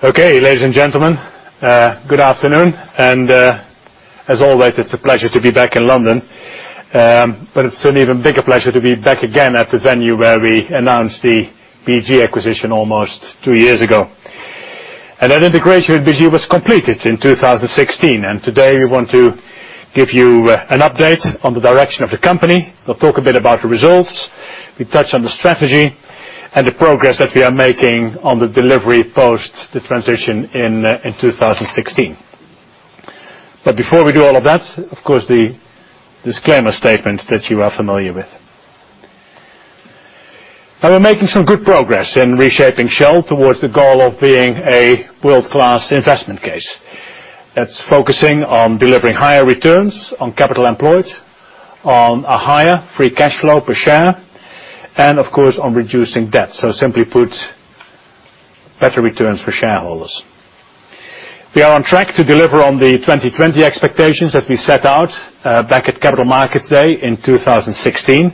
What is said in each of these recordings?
Good afternoon. As always, it's a pleasure to be back in London. It's an even bigger pleasure to be back again at the venue where we announced the BG acquisition almost two years ago. That integration with BG was completed in 2016. Today we want to give you an update on the direction of the company. We'll talk a bit about the results. We touch on the strategy and the progress that we are making on the delivery, post the transition in 2016. Before we do all of that, of course, the disclaimer statement that you are familiar with. We're making some good progress in reshaping Shell towards the goal of being a world-class investment case. It's focusing on delivering higher returns on capital employed, on a higher free cash flow per share, and of course, on reducing debt. Simply put, better returns for shareholders. We are on track to deliver on the 2020 expectations that we set out back at Capital Markets Day in 2016.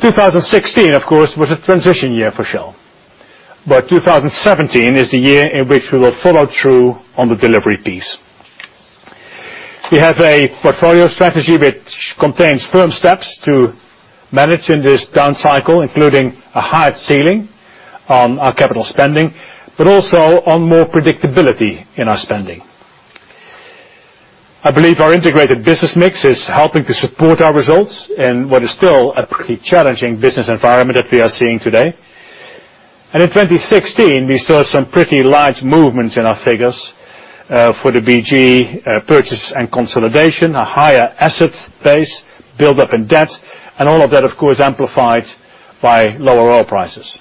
2016, of course, was a transition year for Shell. 2017 is the year in which we will follow through on the delivery piece. We have a portfolio strategy which contains firm steps to manage in this down cycle, including a hard ceiling on our capital spending, but also on more predictability in our spending. I believe our integrated business mix is helping to support our results in what is still a pretty challenging business environment that we are seeing today. In 2016, we saw some pretty large movements in our figures, for the BG purchase and consolidation, a higher asset base, build up in debt, and all of that, of course, amplified by lower oil prices.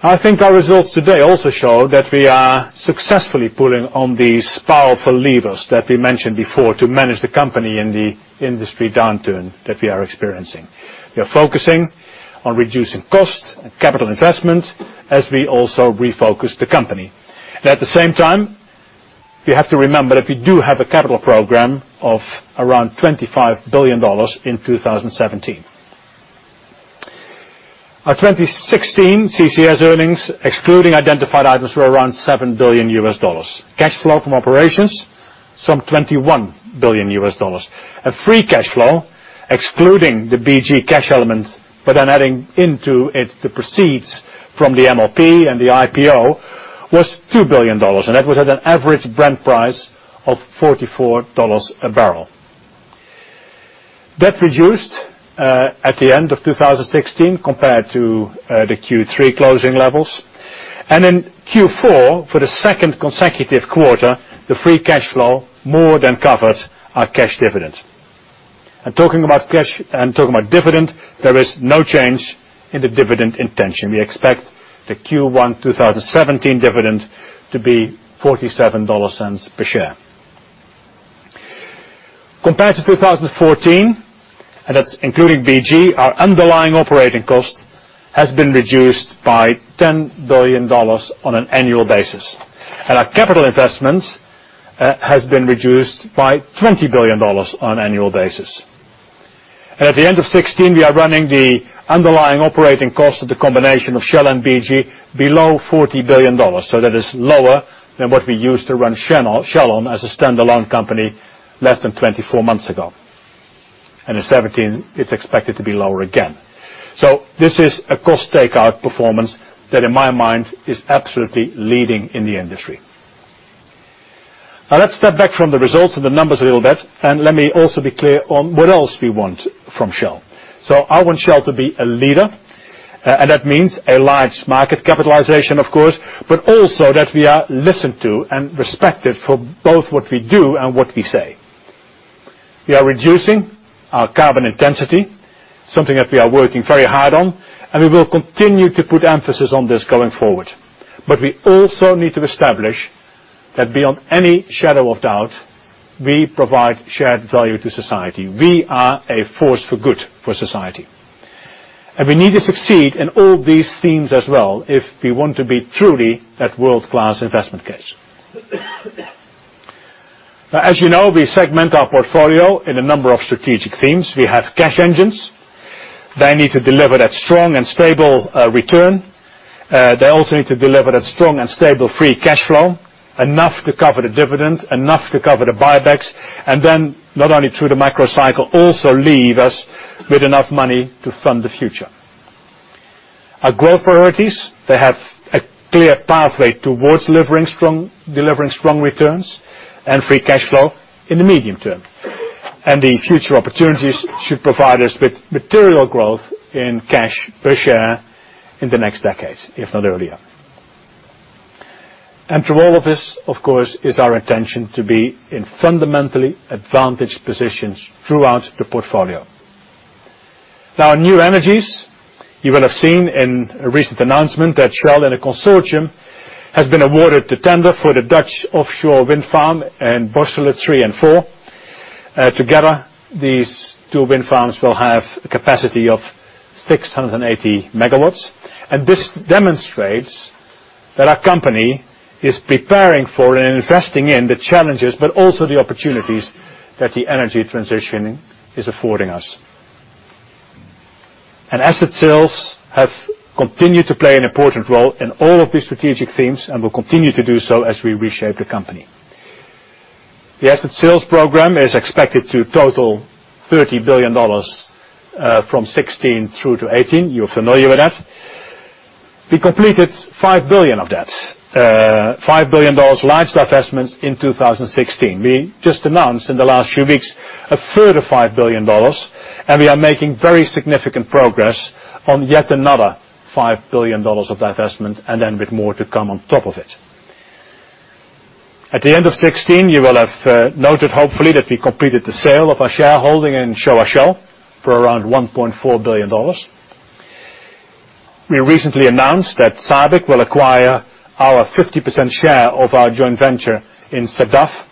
I think our results today also show that we are successfully pulling on these powerful levers that we mentioned before to manage the company in the industry downturn that we are experiencing. We are focusing on reducing cost and capital investment as we also refocus the company. At the same time, we have to remember that we do have a capital program of around $25 billion in 2017. Our 2016 CCS earnings, excluding identified items, were around $7 billion. Cash flow from operations, some $21 billion. Free cash flow, excluding the BG cash element, adding into it the proceeds from the MLP and the IPO, was $2 billion, and that was at an average Brent price of $44 a barrel. Debt reduced at the end of 2016 compared to the Q3 closing levels. In Q4, for the second consecutive quarter, the free cash flow more than covered our cash dividend. Talking about dividend, there is no change in the dividend intention. We expect the Q1 2017 dividend to be $0.47 per share. Compared to 2014, including BG, our underlying operating cost has been reduced by $10 billion on an annual basis. Our capital investment has been reduced by $20 billion on an annual basis. At the end of 2016, we are running the underlying operating cost of the combination of Shell and BG below $40 billion. That is lower than what we used to run Shell on as a standalone company less than 24 months ago. In 2017, it's expected to be lower again. This is a cost takeout performance that, in my mind, is absolutely leading in the industry. Let's step back from the results and the numbers a little bit. Let me also be clear on what else we want from Shell. I want Shell to be a leader. That means a large market capitalization, of course, but also that we are listened to and respected for both what we do and what we say. We are reducing our carbon intensity, something that we are working very hard on. We will continue to put emphasis on this going forward. We also need to establish that beyond any shadow of doubt, we provide shared value to society. We are a force for good for society. We need to succeed in all these themes as well if we want to be truly that world-class investment case. As you know, we segment our portfolio in a number of strategic themes. We have cash engines. They need to deliver that strong and stable return. They also need to deliver that strong and stable free cash flow, enough to cover the dividend, enough to cover the buybacks, not only through the microcycle, also leave us with enough money to fund the future. Our growth priorities, they have a clear pathway towards delivering strong returns and free cash flow in the medium term. The future opportunities should provide us with material growth in cash per share in the next decade, if not earlier. Through all of this, of course, is our intention to be in fundamentally advantaged positions throughout the portfolio. New energies, you will have seen in a recent announcement that Shell in a consortium has been awarded the tender for the Dutch offshore wind farm in Borssele III and IV. Together, these two wind farms will have a capacity of 680 megawatts. This demonstrates that our company is preparing for and investing in the challenges, but also the opportunities that the energy transitioning is affording us. Asset sales have continued to play an important role in all of the strategic themes and will continue to do so as we reshape the company. The asset sales program is expected to total $30 billion from 2016 through to 2018. You're familiar with that. We completed $5 billion of that, $5 billion large divestments in 2016. We just announced in the last few weeks a further $5 billion. We are making very significant progress on yet another $5 billion of divestment, with more to come on top of it. At the end of 2016, you will have noted, hopefully, that we completed the sale of our shareholding in Showa Shell for around $1.4 billion. We recently announced that SABIC will acquire our 50% share of our joint venture in SADAF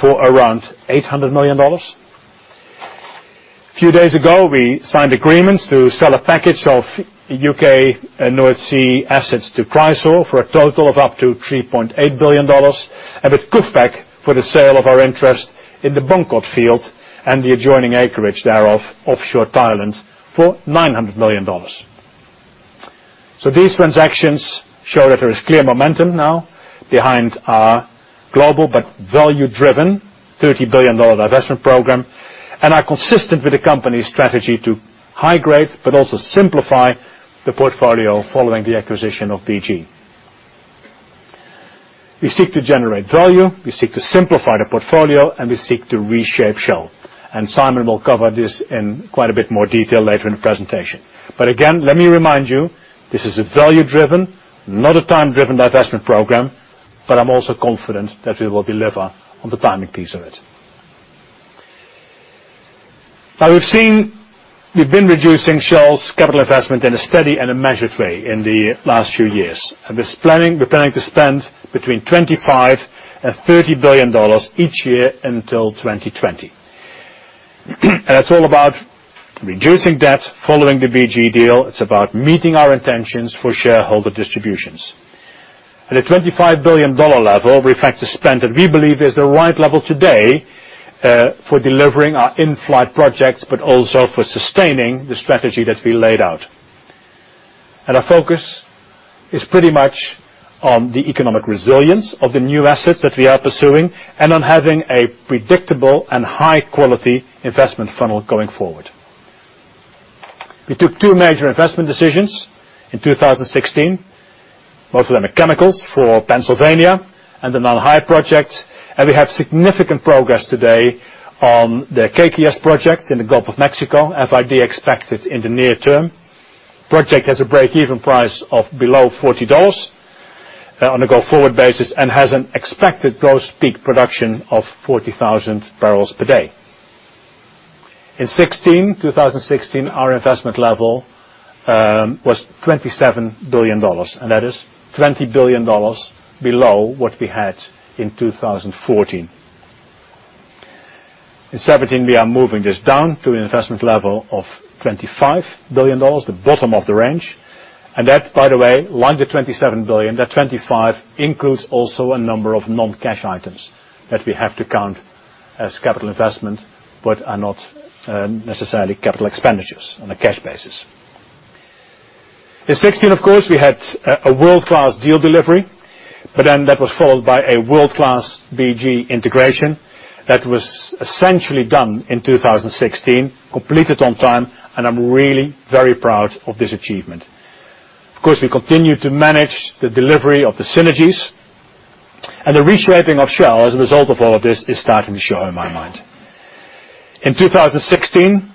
for around $800 million. A few days ago, we signed agreements to sell a package of U.K. and North Sea assets to Chrysaor for a total of up to $3.8 billion, with KUFPEC for the sale of our interest in the Bongkot field and the adjoining acreage thereof offshore Thailand for $900 million. These transactions show that there is clear momentum now behind our global but value-driven $30 billion divestment program and are consistent with the company's strategy to high grade, but also simplify the portfolio following the acquisition of BG. We seek to generate value, we seek to simplify the portfolio, and we seek to reshape Shell. Simon will cover this in quite a bit more detail later in the presentation. Again, let me remind you, this is a value-driven, not a time-driven divestment program, but I'm also confident that we will deliver on the timing piece of it. We've been reducing Shell's capital investment in a steady and a measured way in the last few years. We're planning to spend between $25 billion and $30 billion each year until 2020. It's all about reducing debt following the BG deal. It's about meeting our intentions for shareholder distributions. At a $25 billion level reflects the spend that we believe is the right level today for delivering our in-flight projects, but also for sustaining the strategy that we laid out. Our focus is pretty much on the economic resilience of the new assets that we are pursuing and on having a predictable and high-quality investment funnel going forward. We took two major investment decisions in 2016. Both of them in chemicals for Pennsylvania and the Nanhai project, and we have significant progress today on the KGS project in the Gulf of Mexico, FID expected in the near term. Project has a break-even price of below $40 on a go-forward basis and has an expected gross peak production of 40,000 barrels per day. In 2016, our investment level was $27 billion, and that is $20 billion below what we had in 2014. In 2017, we are moving this down to an investment level of $25 billion, the bottom of the range. That, by the way, like the $27 billion, that 25 includes also a number of non-cash items that we have to count as capital investment, but are not necessarily capital expenditures on a cash basis. In 2016, of course, we had a world-class deal delivery, that was followed by a world-class BG integration that was essentially done in 2016, completed on time, and I'm really very proud of this achievement. Of course, we continue to manage the delivery of the synergies and the reshaping of Shell as a result of all of this is starting to show in my mind. In 2016,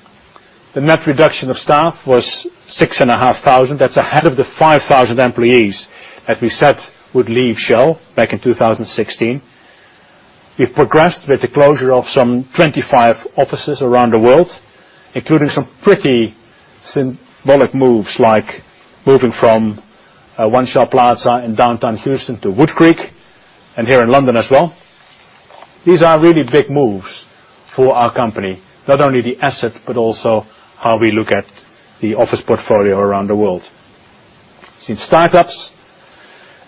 the net reduction of staff was 6,500. That's ahead of the 5,000 employees that we said would leave Shell back in 2016. We've progressed with the closure of some 25 offices around the world, including some pretty symbolic moves like moving from One Shell Plaza in downtown Houston to Woodcreek and here in London as well. These are really big moves for our company, not only the asset, but also how we look at the office portfolio around the world. Since startups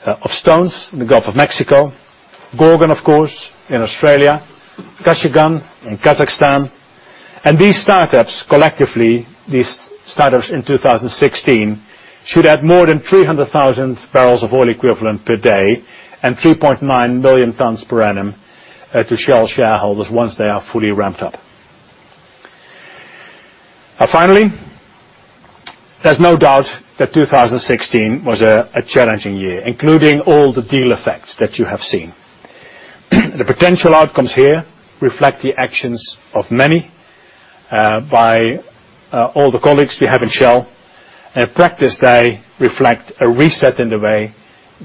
of Stones in the Gulf of Mexico, Gorgon, of course, in Australia, Kashagan in Kazakhstan. These startups, collectively, in 2016 should add more than 300,000 barrels of oil equivalent per day and 3.9 million tons per annum, to Shell shareholders once they are fully ramped up. Finally, there's no doubt that 2016 was a challenging year, including all the deal effects that you have seen. The potential outcomes here reflect the actions of many, by all the colleagues we have in Shell. In practice, they reflect a reset in the way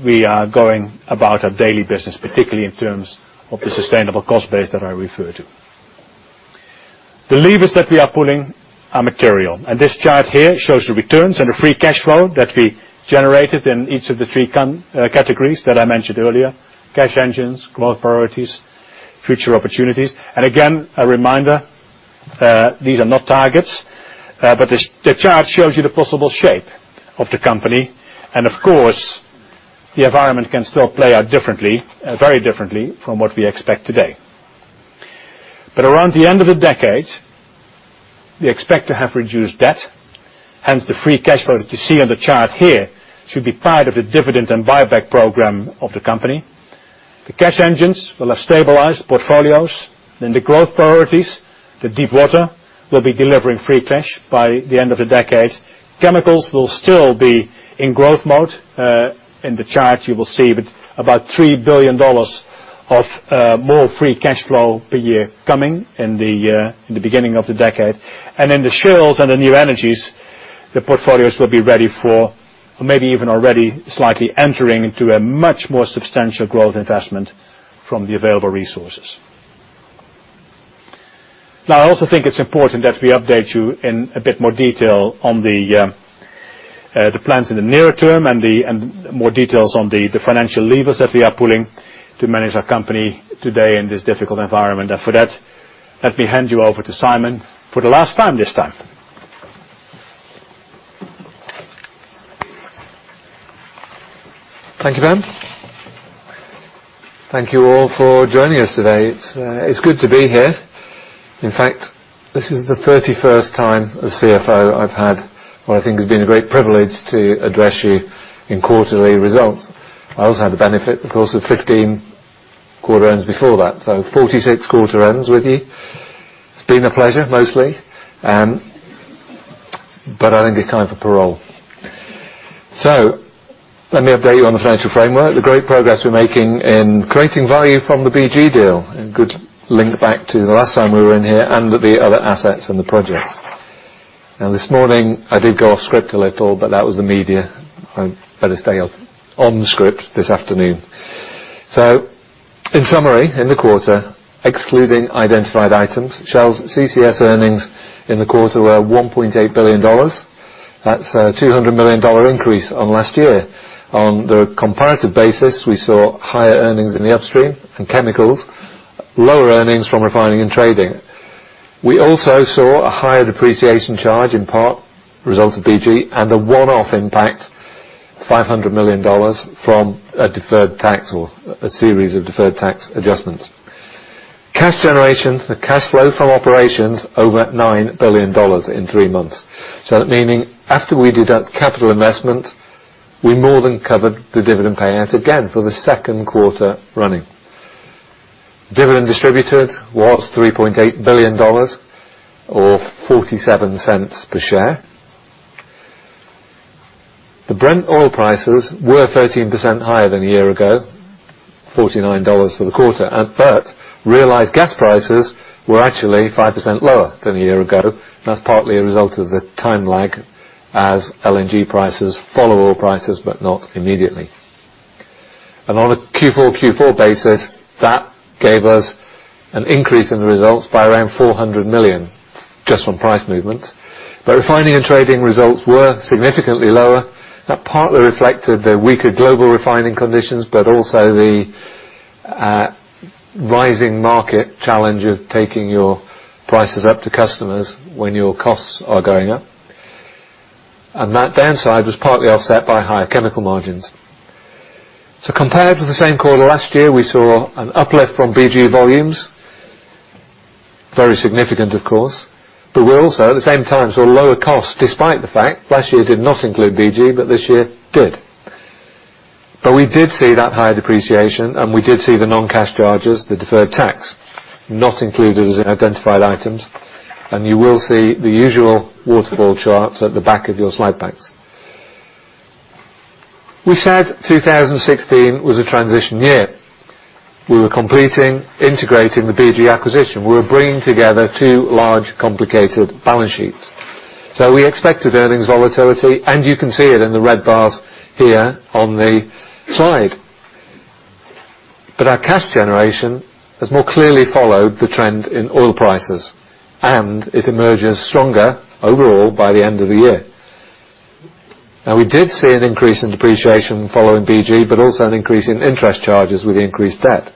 we are going about our daily business, particularly in terms of the sustainable cost base that I refer to. The levers that we are pulling are material, this chart here shows the returns and the free cash flow that we generated in each of the 3 categories that I mentioned earlier: cash engines, growth priorities, future opportunities. A reminder, these are not targets, but the chart shows you the possible shape of the company. The environment can still play out differently, very differently, from what we expect today. Around the end of the decade, we expect to have reduced debt, hence the free cash flow that you see on the chart here should be part of the dividend and buyback program of the company. The cash engines will have stabilized portfolios, and the growth priorities, the deepwater, will be delivering free cash by the end of the decade. Chemicals will still be in growth mode. In the chart you will see about $3 billion of more free cash flow per year coming in the beginning of the decade. In Shell and the new energies, the portfolios will be ready for, or maybe even already slightly entering into a much more substantial growth investment from the available resources. I also think it's important that we update you in a bit more detail on the plans in the nearer term and more details on the financial levers that we are pulling to manage our company today in this difficult environment. For that, let me hand you over to Simon for the last time this time. Thank you, Ben. Thank you all for joining us today. It's good to be here. In fact, this is the 31st time as CFO I've had what I think has been a great privilege to address you in quarterly results. I also had the benefit, of course, of 15 quarter ends before that, so 46 quarter ends with you. It's been a pleasure, mostly. I think it's time for parole. Let me update you on the financial framework, the great progress we're making in creating value from the BG deal, a good link back to the last time we were in here, and the other assets and the projects. This morning, I did go off script a little, but that was the media. I better stay on script this afternoon. In summary, in the quarter, excluding identified items, Shell's CCS earnings in the quarter were $1.8 billion. That's a $200 million increase on last year. On the comparative basis, we saw higher earnings in the upstream and chemicals, lower earnings from refining and trading. We also saw a higher depreciation charge in part the result of BG and a one-off impact, $500 million from a deferred tax or a series of deferred tax adjustments. Cash generation, the cash flow from operations over $9 billion in three months. Meaning after we deduct capital investment, we more than covered the dividend payout again for the second quarter running. Dividend distributed was $3.8 billion or $0.47 per share. The Brent oil prices were 13% higher than a year ago, $49 for the quarter. Realized gas prices were actually 5% lower than a year ago, and that's partly a result of the time lag as LNG prices follow oil prices, but not immediately. On a Q4-Q4 basis, that gave us an increase in the results by around $400 million just from price movement. Refining and trading results were significantly lower. That partly reflected the weaker global refining conditions, but also the rising market challenge of taking your prices up to customers when your costs are going up. That downside was partly offset by higher chemical margins. Compared to the same quarter last year, we saw an uplift from BG volumes, very significant of course, but we also at the same time saw lower costs despite the fact last year did not include BG, but this year did. We did see that higher depreciation, and we did see the non-cash charges, the deferred tax, not included as in identified items. You will see the usual waterfall charts at the back of your slide packs. We said 2016 was a transition year. We were completing integrating the BG acquisition. We were bringing together two large complicated balance sheets. We expected earnings volatility, and you can see it in the red bars here on the slide. Our cash generation has more clearly followed the trend in oil prices, and it emerges stronger overall by the end of the year. We did see an increase in depreciation following BG, but also an increase in interest charges with the increased debt.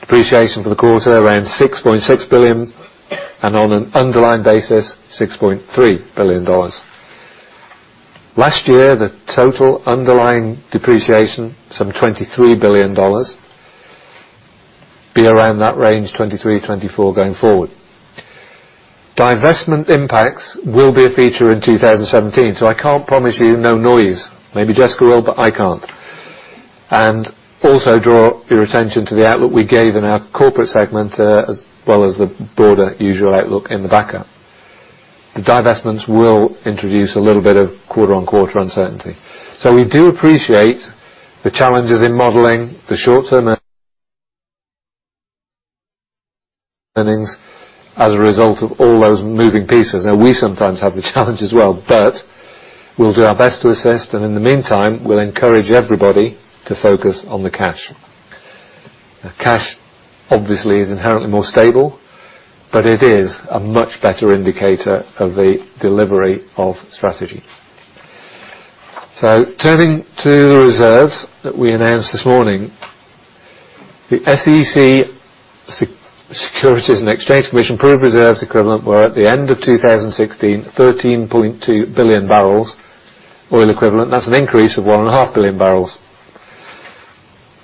Depreciation for the quarter, around $6.6 billion, and on an underlying basis, $6.3 billion. Last year, the total underlying depreciation, some $23 billion. Be around that range, $23 billion-$24 billion, going forward. Divestment impacts will be a feature in 2017, I can't promise you no noise. Maybe Jessica will, but I can't. Also draw your attention to the outlook we gave in our corporate segment, as well as the broader usual outlook in the backup. The divestments will introduce a little bit of quarter-on-quarter uncertainty. We do appreciate the challenges in modeling the short-term earnings as a result of all those moving pieces. We sometimes have the challenge as well, but we'll do our best to assist. In the meantime, we'll encourage everybody to focus on the cash. Cash obviously is inherently more stable, but it is a much better indicator of the delivery of strategy. Turning to the reserves that we announced this morning The SEC, Securities and Exchange Commission, proved reserves equivalent were at the end of 2016, 13.2 billion barrels oil equivalent. That's an increase of 1.5 billion barrels.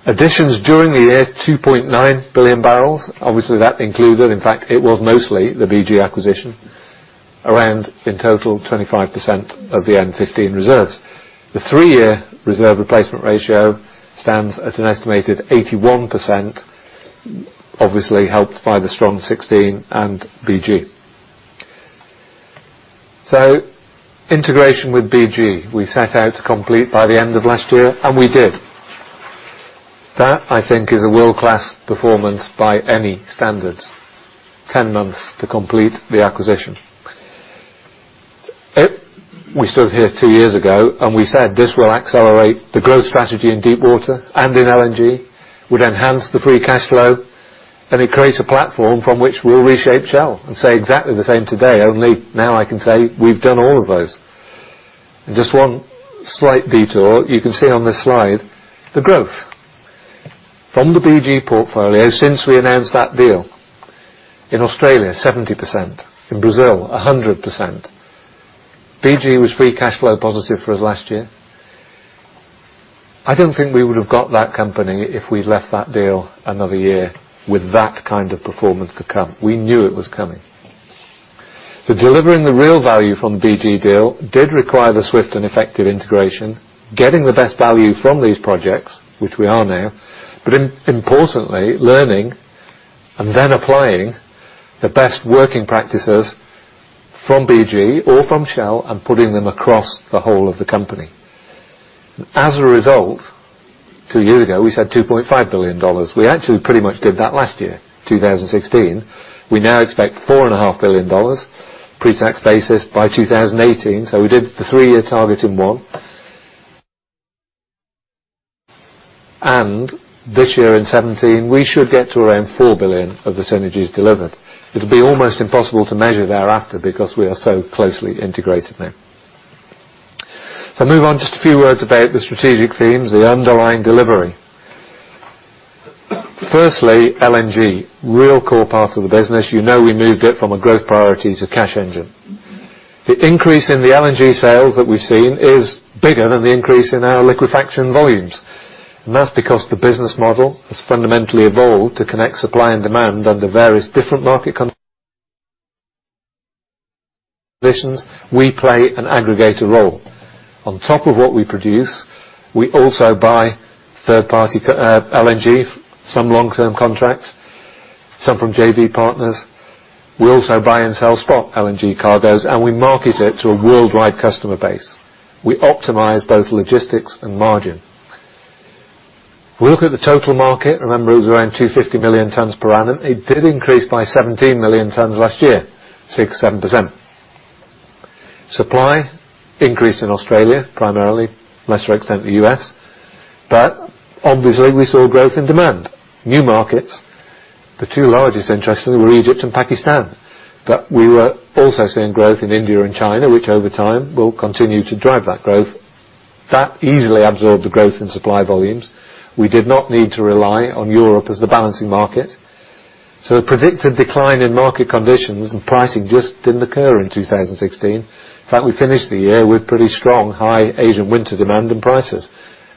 Additions during the year, 2.9 billion barrels. Obviously, that included, in fact, it was mostly the BG acquisition, around in total, 25% of the N15 reserves. The three-year reserve replacement ratio stands at an estimated 81%, obviously helped by the strong 2016 and BG. Integration with BG, we set out to complete by the end of last year, and we did. That I think is a world-class performance by any standards, 10 months to complete the acquisition. We stood here two years ago, and we said this will accelerate the growth strategy in deep water and in LNG. We'd enhance the free cash flow. It creates a platform from which we'll reshape Shell. I'd say exactly the same today, only now I can say we've done all of those. Just one slight detour, you can see on this slide the growth. From the BG portfolio since we announced that deal, in Australia 70%, in Brazil 100%. BG was free cash flow positive for us last year. I don't think we would have got that company if we'd left that deal another year with that kind of performance to come. We knew it was coming. Delivering the real value from the BG deal did require the swift and effective integration, getting the best value from these projects, which we are now, but importantly, learning and then applying the best working practices from BG or from Shell and putting them across the whole of the company. As a result, two years ago, we said $2.5 billion. We actually pretty much did that last year, 2016. We now expect $4.5 billion pre-tax basis by 2018. We did the three-year target in one. This year in 2017, we should get to around $4 billion of the synergies delivered. It'll be almost impossible to measure thereafter because we are so closely integrated now. Move on just a few words about the strategic themes, the underlying delivery. Firstly, LNG, real core part of the business. You know we moved it from a growth priority to cash engine. The increase in the LNG sales that we've seen is bigger than the increase in our liquefaction volumes. That's because the business model has fundamentally evolved to connect supply and demand under various different market conditions we play an aggregator role. On top of what we produce, we also buy third-party LNG, some long-term contracts, some from JV partners. We also buy and sell spot LNG cargoes. We market it to a worldwide customer base. We optimize both logistics and margin. If we look at the total market, remember it was around 250 million tons per annum. It did increase by 17 million tons last year, 6%, 7%. Supply increased in Australia, primarily, lesser extent the U.S. Obviously, we saw growth in demand, new markets. The two largest interestingly were Egypt and Pakistan. We were also seeing growth in India and China, which over time will continue to drive that growth. That easily absorbed the growth in supply volumes. We did not need to rely on Europe as the balancing market. The predicted decline in market conditions and pricing just didn't occur in 2016. In fact, we finished the year with pretty strong, high Asian winter demand and prices.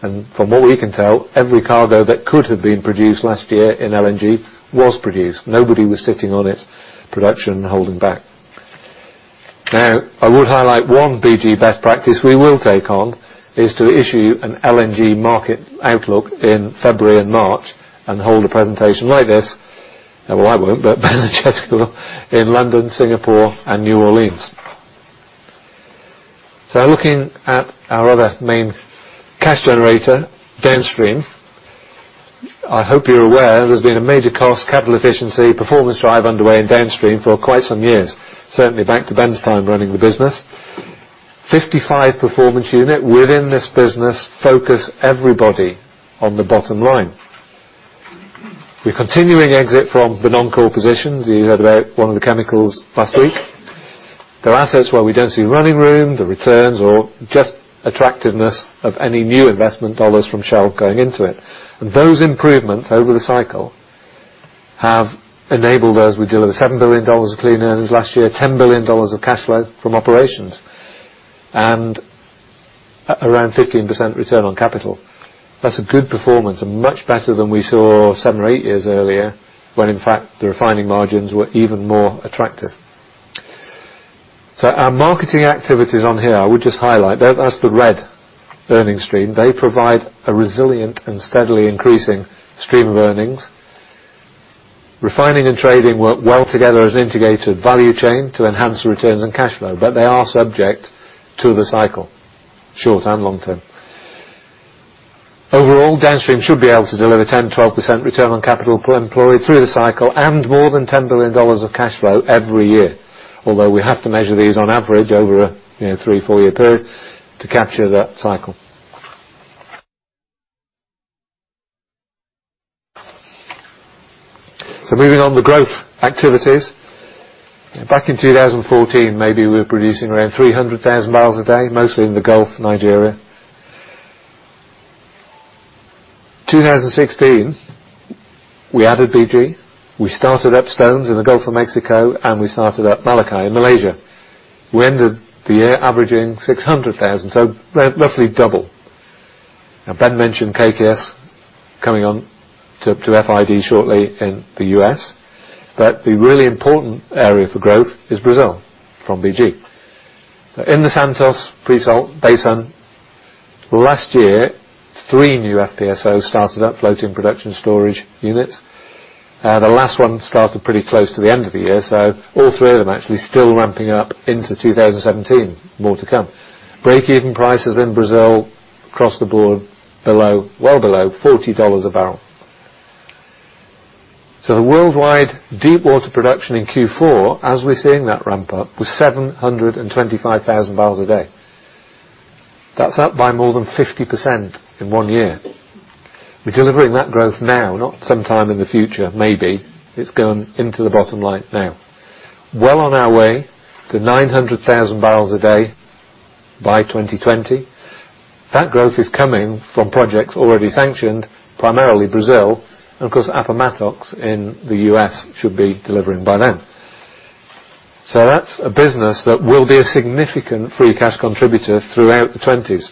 From what we can tell, every cargo that could have been produced last year in LNG was produced. Nobody was sitting on its production and holding back. Now, I would highlight one BG best practice we will take on is to issue an LNG market outlook in February and March and hold a presentation like this, well, I won't, but Ben Jeske will, in London, Singapore and New Orleans. Looking at our other main cash generator, Downstream. I hope you're aware there's been a major cost, capital efficiency performance drive underway in Downstream for quite some years, certainly back to Ben's time running the business. 55 performance unit within this business focus everybody on the bottom line. We're continuing exit from the non-core positions. You heard about one of the chemicals last week. There are assets where we don't see running room, the returns, or just attractiveness of any new investment dollars from Shell going into it. Those improvements over the cycle have enabled us, we delivered $7 billion of clean earnings last year, $10 billion of cash flow from operations, and around 15% return on capital. That's a good performance and much better than we saw seven or eight years earlier, when in fact, the refining margins were even more attractive. Our marketing activities on here, I would just highlight, that's the red earnings stream. They provide a resilient and steadily increasing stream of earnings. Refining and trading work well together as an integrated value chain to enhance returns and cash flow, they are subject to the cycle, short and long term. Overall, Downstream should be able to deliver 10%-12% return on capital per employee through the cycle and more than $10 billion of cash flow every year. Although we have to measure these on average over a three, four-year period to capture that cycle. Moving on the growth activities. Back in 2014, maybe we were producing around 300,000 barrels a day, mostly in the Gulf, Nigeria. 2016, we added BG, we started up Stones in the Gulf of Mexico, and we started up Malikai in Malaysia. We ended the year averaging 600,000, roughly double. Ben mentioned Kaikias coming on to FID shortly in the U.S., the really important area for growth is Brazil from BG. In the Santos Pre-salt basin, last year, three new FPSO started up floating production storage units. The last one started pretty close to the end of the year, all three of them actually still ramping up into 2017. More to come. Breakeven prices in Brazil across the board below, well below $40 a barrel. The worldwide deepwater production in Q4, as we're seeing that ramp up, was 725,000 barrels a day. That's up by more than 50% in one year. We're delivering that growth now, not sometime in the future, maybe. It's going into the bottom line now. Well on our way to 900,000 barrels a day by 2020. That growth is coming from projects already sanctioned, primarily Brazil, and of course Appomattox in the U.S. should be delivering by then. That's a business that will be a significant free cash contributor throughout the twenties.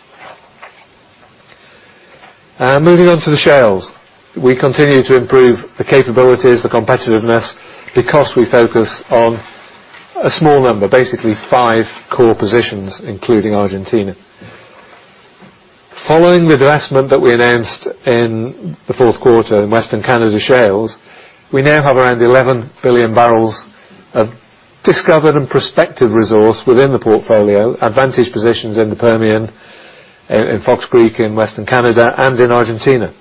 Moving on to the shales. We continue to improve the capabilities, the competitiveness because we focus on a small number, basically five core positions, including Argentina. Following the divestment that we announced in the fourth quarter in Western Canada shales, we now have around 11 billion barrels of discovered and prospective resource within the portfolio. Advantage positions in the Permian, in Fox Creek, in Western Canada, and in Argentina.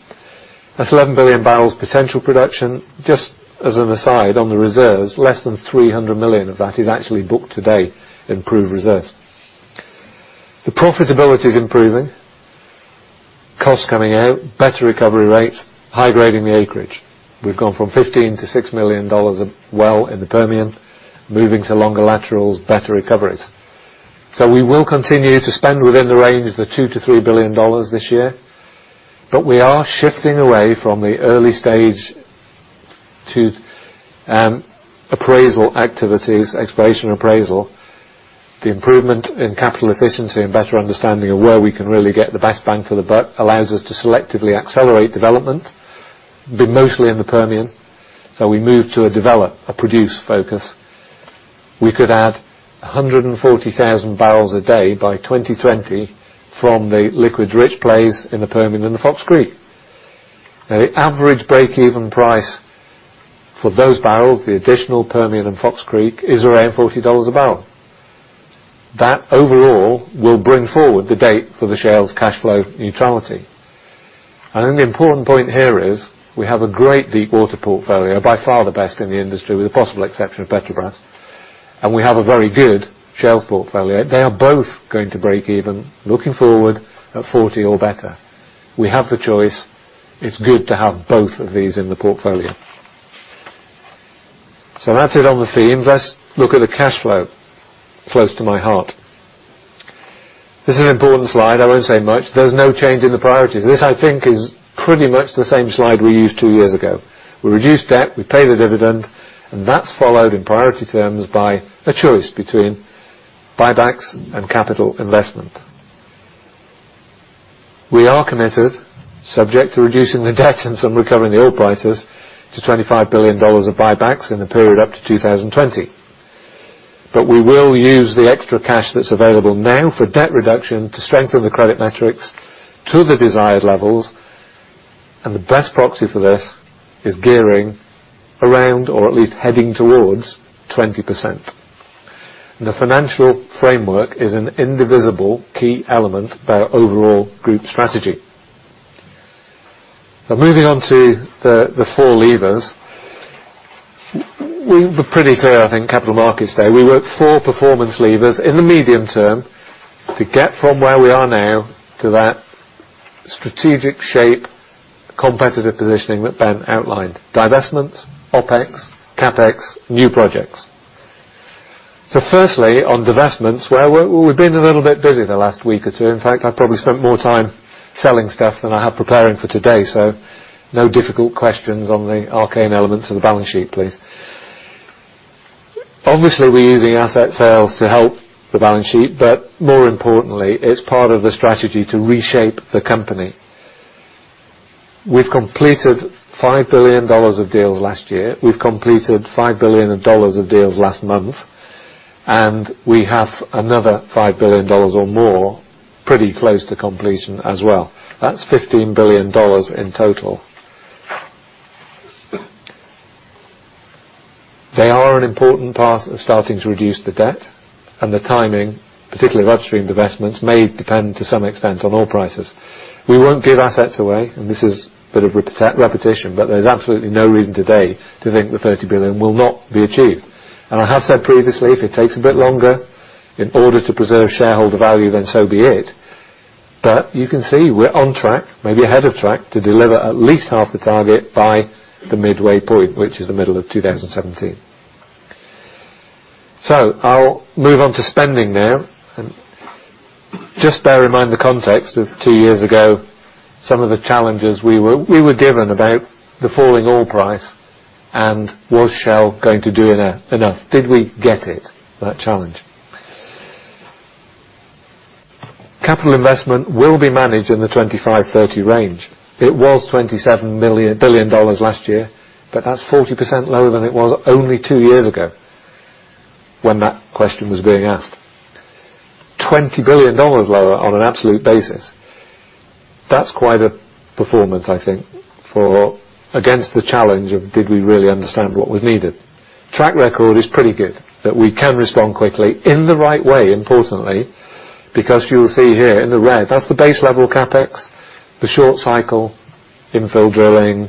That's 11 billion barrels potential production. Just as an aside on the reserves, less than $300 million of that is actually booked today in proved reserves. The profitability is improving. Costs coming out, better recovery rates, high grading the acreage. We've gone from $15 million to $6 million a well in the Permian, moving to longer laterals, better recoveries. We will continue to spend within the range of $2 billion-$3 billion this year, but we are shifting away from the early stage to appraisal activities, exploration appraisal. The improvement in capital efficiency and better understanding of where we can really get the best bang for the buck allows us to selectively accelerate development, be mostly in the Permian. We move to a develop, a produce focus. We could add 140,000 barrels a day by 2020 from the liquids-rich plays in the Permian and the Fox Creek. The average break-even price for those barrels, the additional Permian and Fox Creek, is around $40 a barrel. That overall will bring forward the date for the shale's cash flow neutrality. I think the important point here is we have a great deepwater portfolio, by far the best in the industry, with the possible exception of Petrobras, and we have a very good shales portfolio. They are both going to break even looking forward at $40 or better. We have the choice. It's good to have both of these in the portfolio. That's it on the themes. Let's look at the cash flow. Close to my heart. This is an important slide. I won't say much. There's no change in the priorities. This, I think, is pretty much the same slide we used two years ago. We reduce debt, we pay the dividend, and that's followed in priority terms by a choice between buybacks and capital investment. We are committed, subject to reducing the debt and some recovering the oil prices, to $25 billion of buybacks in the period up to 2020. We will use the extra cash that's available now for debt reduction to strengthen the credit metrics to the desired levels, and the best proxy for this is gearing around or at least heading towards 20%. The financial framework is an indivisible key element of our overall group strategy. Moving on to the four levers. We were pretty clear, I think, Capital Markets Day. We work four performance levers in the medium term to get from where we are now to that strategic shape, competitive positioning that Ben outlined. Divestments, OpEx, CapEx, new projects. Firstly, on divestments, well, we've been a little bit busy the last week or two. In fact, I probably spent more time selling stuff than I have preparing for today. No difficult questions on the arcane elements of the balance sheet, please. Obviously, we're using asset sales to help the balance sheet, but more importantly, it's part of the strategy to reshape the company. We've completed $5 billion of deals last year. We've completed $5 billion of deals last month, and we have another $5 billion or more pretty close to completion as well. That's $15 billion in total. They are an important part of starting to reduce the debt, and the timing, particularly upstream divestments, may depend to some extent on oil prices. We won't give assets away, and this is a bit of repetition, but there's absolutely no reason today to think the $30 billion will not be achieved. I have said previously, if it takes a bit longer in order to preserve shareholder value, then so be it. You can see we're on track, maybe ahead of track, to deliver at least half the target by the midway point, which is the middle of 2017. I'll move on to spending now. Just bear in mind the context of two years ago, some of the challenges we were given about the falling oil price and was Shell going to do enough? Did we get it, that challenge? Capital investment will be managed in the $25 billion-$30 billion range. It was $27 billion last year, but that's 40% lower than it was only two years ago when that question was being asked. $20 billion lower on an absolute basis. That's quite a performance, I think, against the challenge of did we really understand what was needed. Track record is pretty good, that we can respond quickly in the right way, importantly, because you'll see here in the red, that's the base level CapEx, the short cycle, infill drilling,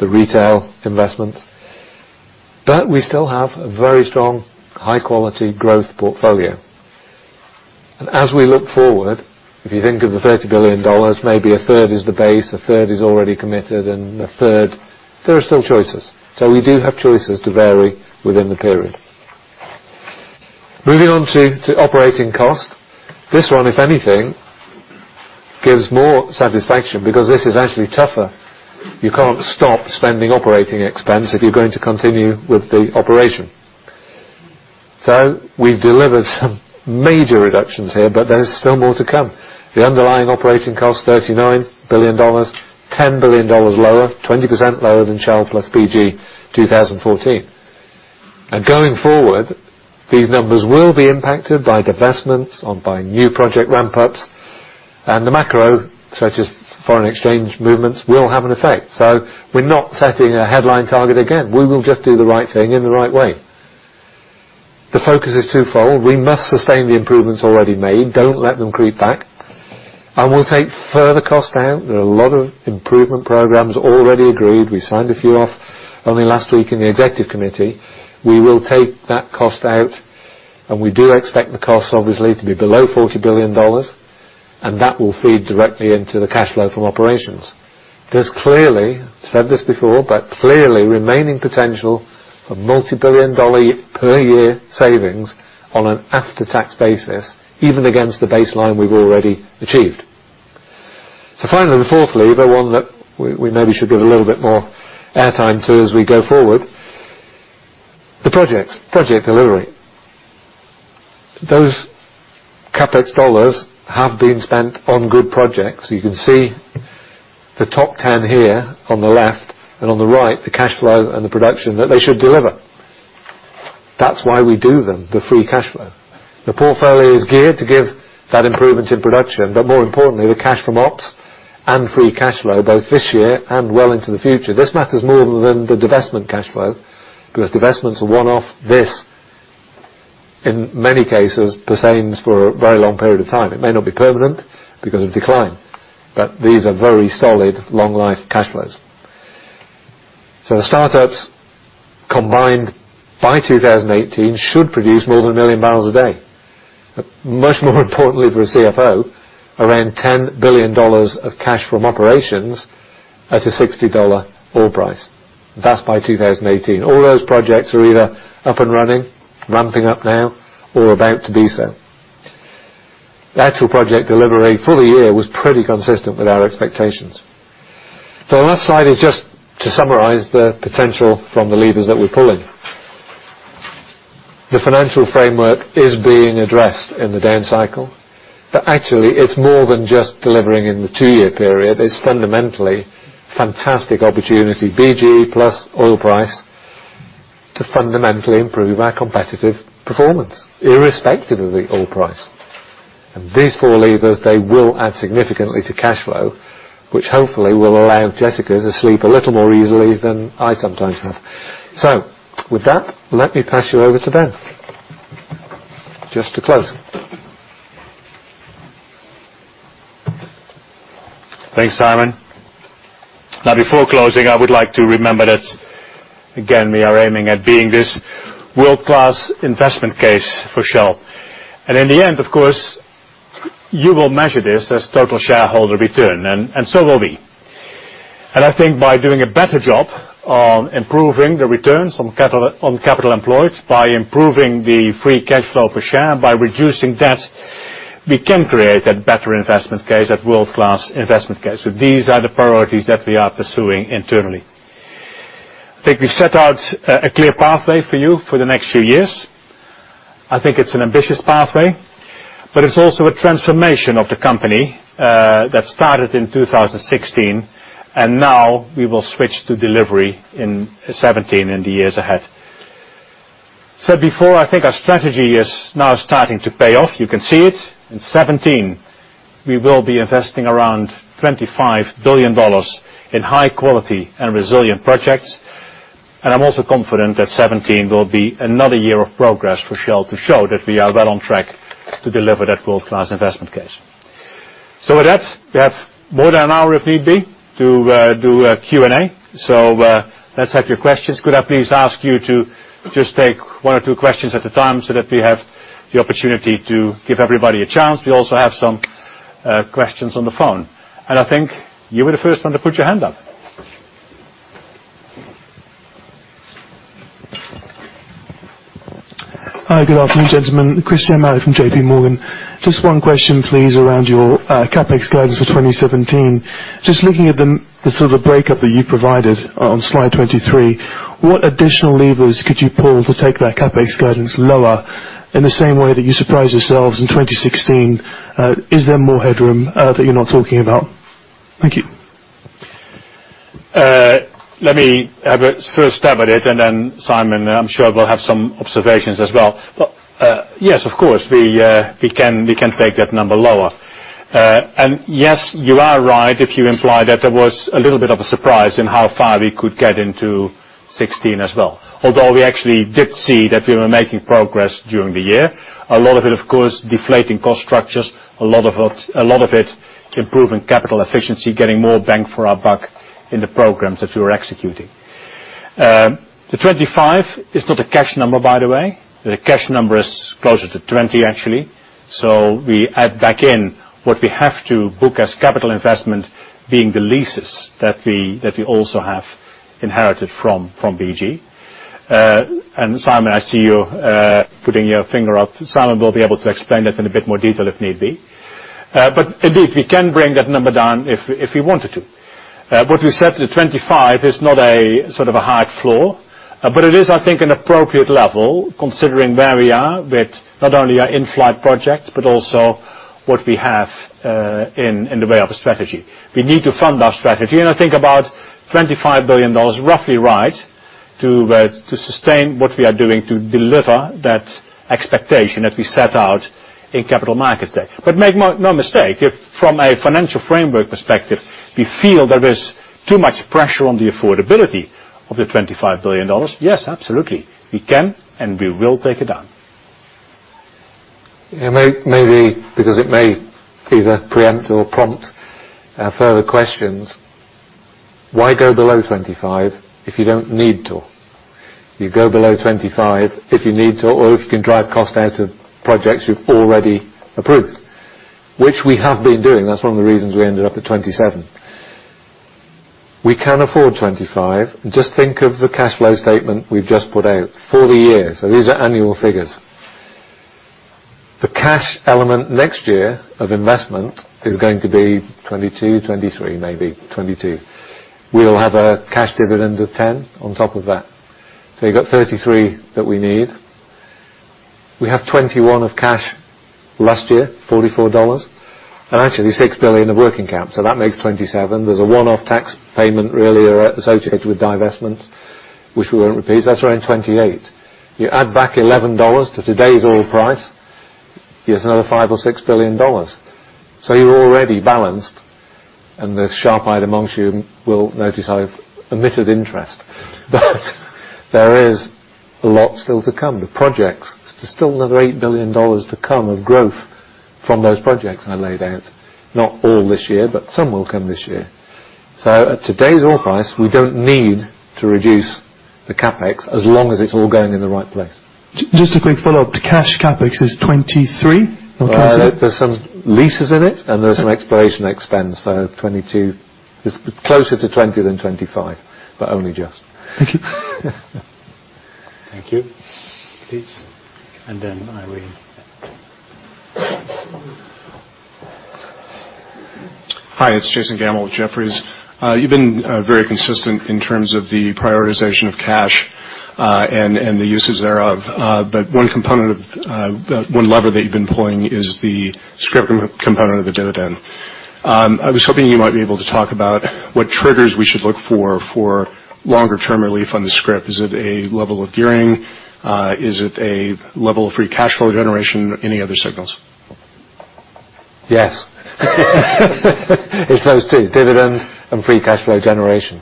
the retail investments, but we still have a very strong high-quality growth portfolio. As we look forward, if you think of the $30 billion, maybe a third is the base, a third is already committed, and a third, there are still choices. We do have choices to vary within the period. Moving on to operating cost. This one, if anything, gives more satisfaction because this is actually tougher. You can't stop spending operating expense if you're going to continue with the operation. We've delivered some major reductions here, but there is still more to come. The underlying operating cost $39 billion, $10 billion lower, 20% lower than Shell plus BG 2014. Going forward, these numbers will be impacted by divestments, on by new project ramp-ups, and the macro, such as foreign exchange movements, will have an effect. We're not setting a headline target again. We will just do the right thing in the right way. The focus is twofold. We must sustain the improvements already made, don't let them creep back, and we'll take further cost out. There are a lot of improvement programs already agreed. We signed a few off only last week in the executive committee. We will take that cost out, and we do expect the cost, obviously, to be below $40 billion, and that will feed directly into the cash flow from operations. There's clearly, said this before, but clearly remaining potential for multibillion dollar per year savings on an after-tax basis, even against the baseline we've already achieved. Finally, the fourth lever, one that we maybe should give a little bit more air time to as we go forward, the projects, project delivery. Those CapEx dollars have been spent on good projects. You can see the top 10 here on the left, and on the right, the cash flow and the production that they should deliver. That's why we do them, the free cash flow. The portfolio is geared to give that improvement in production, but more importantly, the cash from ops and free cash flow, both this year and well into the future. This matters more than the divestment cash flow, because divestments are one-off. This, in many cases, pertains for a very long period of time. It may not be permanent because of decline, but these are very solid, long life cash flows. The startups combined by 2018 should produce more than 1 million barrels a day. More importantly for a CFO, around $10 billion of cash from operations at a $60 oil price. That's by 2018. All those projects are either up and running, ramping up now, or about to be so. The actual project delivery for the year was pretty consistent with our expectations. The last slide is just to summarize the potential from the levers that we're pulling. The financial framework is being addressed in the down cycle, but actually, it's more than just delivering in the two-year period. It's fundamentally fantastic opportunity, BG plus oil price, to fundamentally improve our competitive performance irrespective of the oil price. These four levers, they will add significantly to cash flow, which hopefully will allow Jessica to sleep a little more easily than I sometimes have. With that, let me pass you over to Ben. Just to close. Thanks, Simon. Before closing, I would like to remember that, again, we are aiming at being this world-class investment case for Shell. In the end, of course, you will measure this as total shareholder return, and so will we. I think by doing a better job on improving the returns on capital employed, by improving the free cash flow per share, by reducing debt, we can create a better investment case, that world-class investment case. These are the priorities that we are pursuing internally. I think we set out a clear pathway for you for the next few years. I think it's an ambitious pathway, but it's also a transformation of the company that started in 2016, and now we will switch to delivery in 2017 and the years ahead. Before, I think our strategy is now starting to pay off. You can see it. In 2017, we will be investing around $25 billion in high quality and resilient projects. I'm also confident that 2017 will be another year of progress for Shell to show that we are well on track to deliver that world-class investment case. With that, we have more than an hour, if need be, to do a Q&A. Let's have your questions. Could I please ask you to just take one or two questions at a time so that we have the opportunity to give everybody a chance? We also have some questions on the phone. I think you were the first one to put your hand up. Hi. Good afternoon, gentlemen. Christian Mallet from JP Morgan. Just one question, please, around your CapEx guidance for 2017. Just looking at the sort of break-up that you provided on slide 23, what additional levers could you pull to take that CapEx guidance lower in the same way that you surprised yourselves in 2016? Is there more headroom that you're not talking about? Thank you. Let me have a first stab at it. Simon, I'm sure, will have some observations as well. Yes, of course, we can take that number lower. Yes, you are right if you imply that there was a little bit of a surprise in how far we could get into 2016 as well. Although we actually did see that we were making progress during the year. A lot of it, of course, deflating cost structures, a lot of it improving capital efficiency, getting more bang for our buck in the programs that we were executing. The 25 is not a cash number, by the way. The cash number is closer to 20, actually. We add back in what we have to book as capital investment, being the leases that we also have inherited from BG. Simon, I see you putting your finger up. Simon will be able to explain that in a bit more detail if need be. Indeed, we can bring that number down if we wanted to. What we set to 25 is not a sort of a hard floor, but it is, I think, an appropriate level considering where we are with not only our in-flight projects, but also what we have in the way of a strategy. We need to fund our strategy, and I think about $25 billion roughly right to sustain what we are doing to deliver that expectation that we set out in Capital Markets Day. Make no mistake, if from a financial framework perspective, we feel there is too much pressure on the affordability of the $25 billion, yes, absolutely, we can and we will take it down. Maybe because it may either preempt or prompt further questions, why go below 25 if you don't need to? You go below 25 if you need to or if you can drive cost out of projects you've already approved, which we have been doing. That's one of the reasons we ended up at 27. We can afford 25. Just think of the cash flow statement we've just put out for the year. These are annual figures. The cash element next year of investment is going to be 22, 23, maybe 22. We'll have a cash dividend of 10 on top of that. You've got 33 that we need. We have 21 of cash last year, $44, and actually $6 billion of working capital. That makes 27. There's a one-off tax payment really associated with divestment, which we won't repeat. That's around 28. You add back $11 to today's oil price, you have another $5 or $6 billion. You're already balanced, and the sharp-eyed among you will notice I've omitted interest. There is a lot still to come. The projects, there's still another $8 billion to come of growth from those projects I laid out. Not all this year, but some will come this year. At today's oil price, we don't need to reduce the CapEx as long as it's all going in the right place. Just a quick follow-up. The cash CapEx is 23 or 22? There's some leases in it and there's some exploration expense, 22. It's closer to 20 than 25, but only just. Thank you. Thank you. Please, then Irene. Hi, it's Jason Gammel with Jefferies. You've been very consistent in terms of the prioritization of cash, the uses thereof. One lever that you've been pulling is the scrip component of the dividend. I was hoping you might be able to talk about what triggers we should look for longer-term relief on the scrip. Is it a level of gearing? Is it a level of free cash flow generation? Any other signals? Yes. It's those two, dividend free cash flow generation.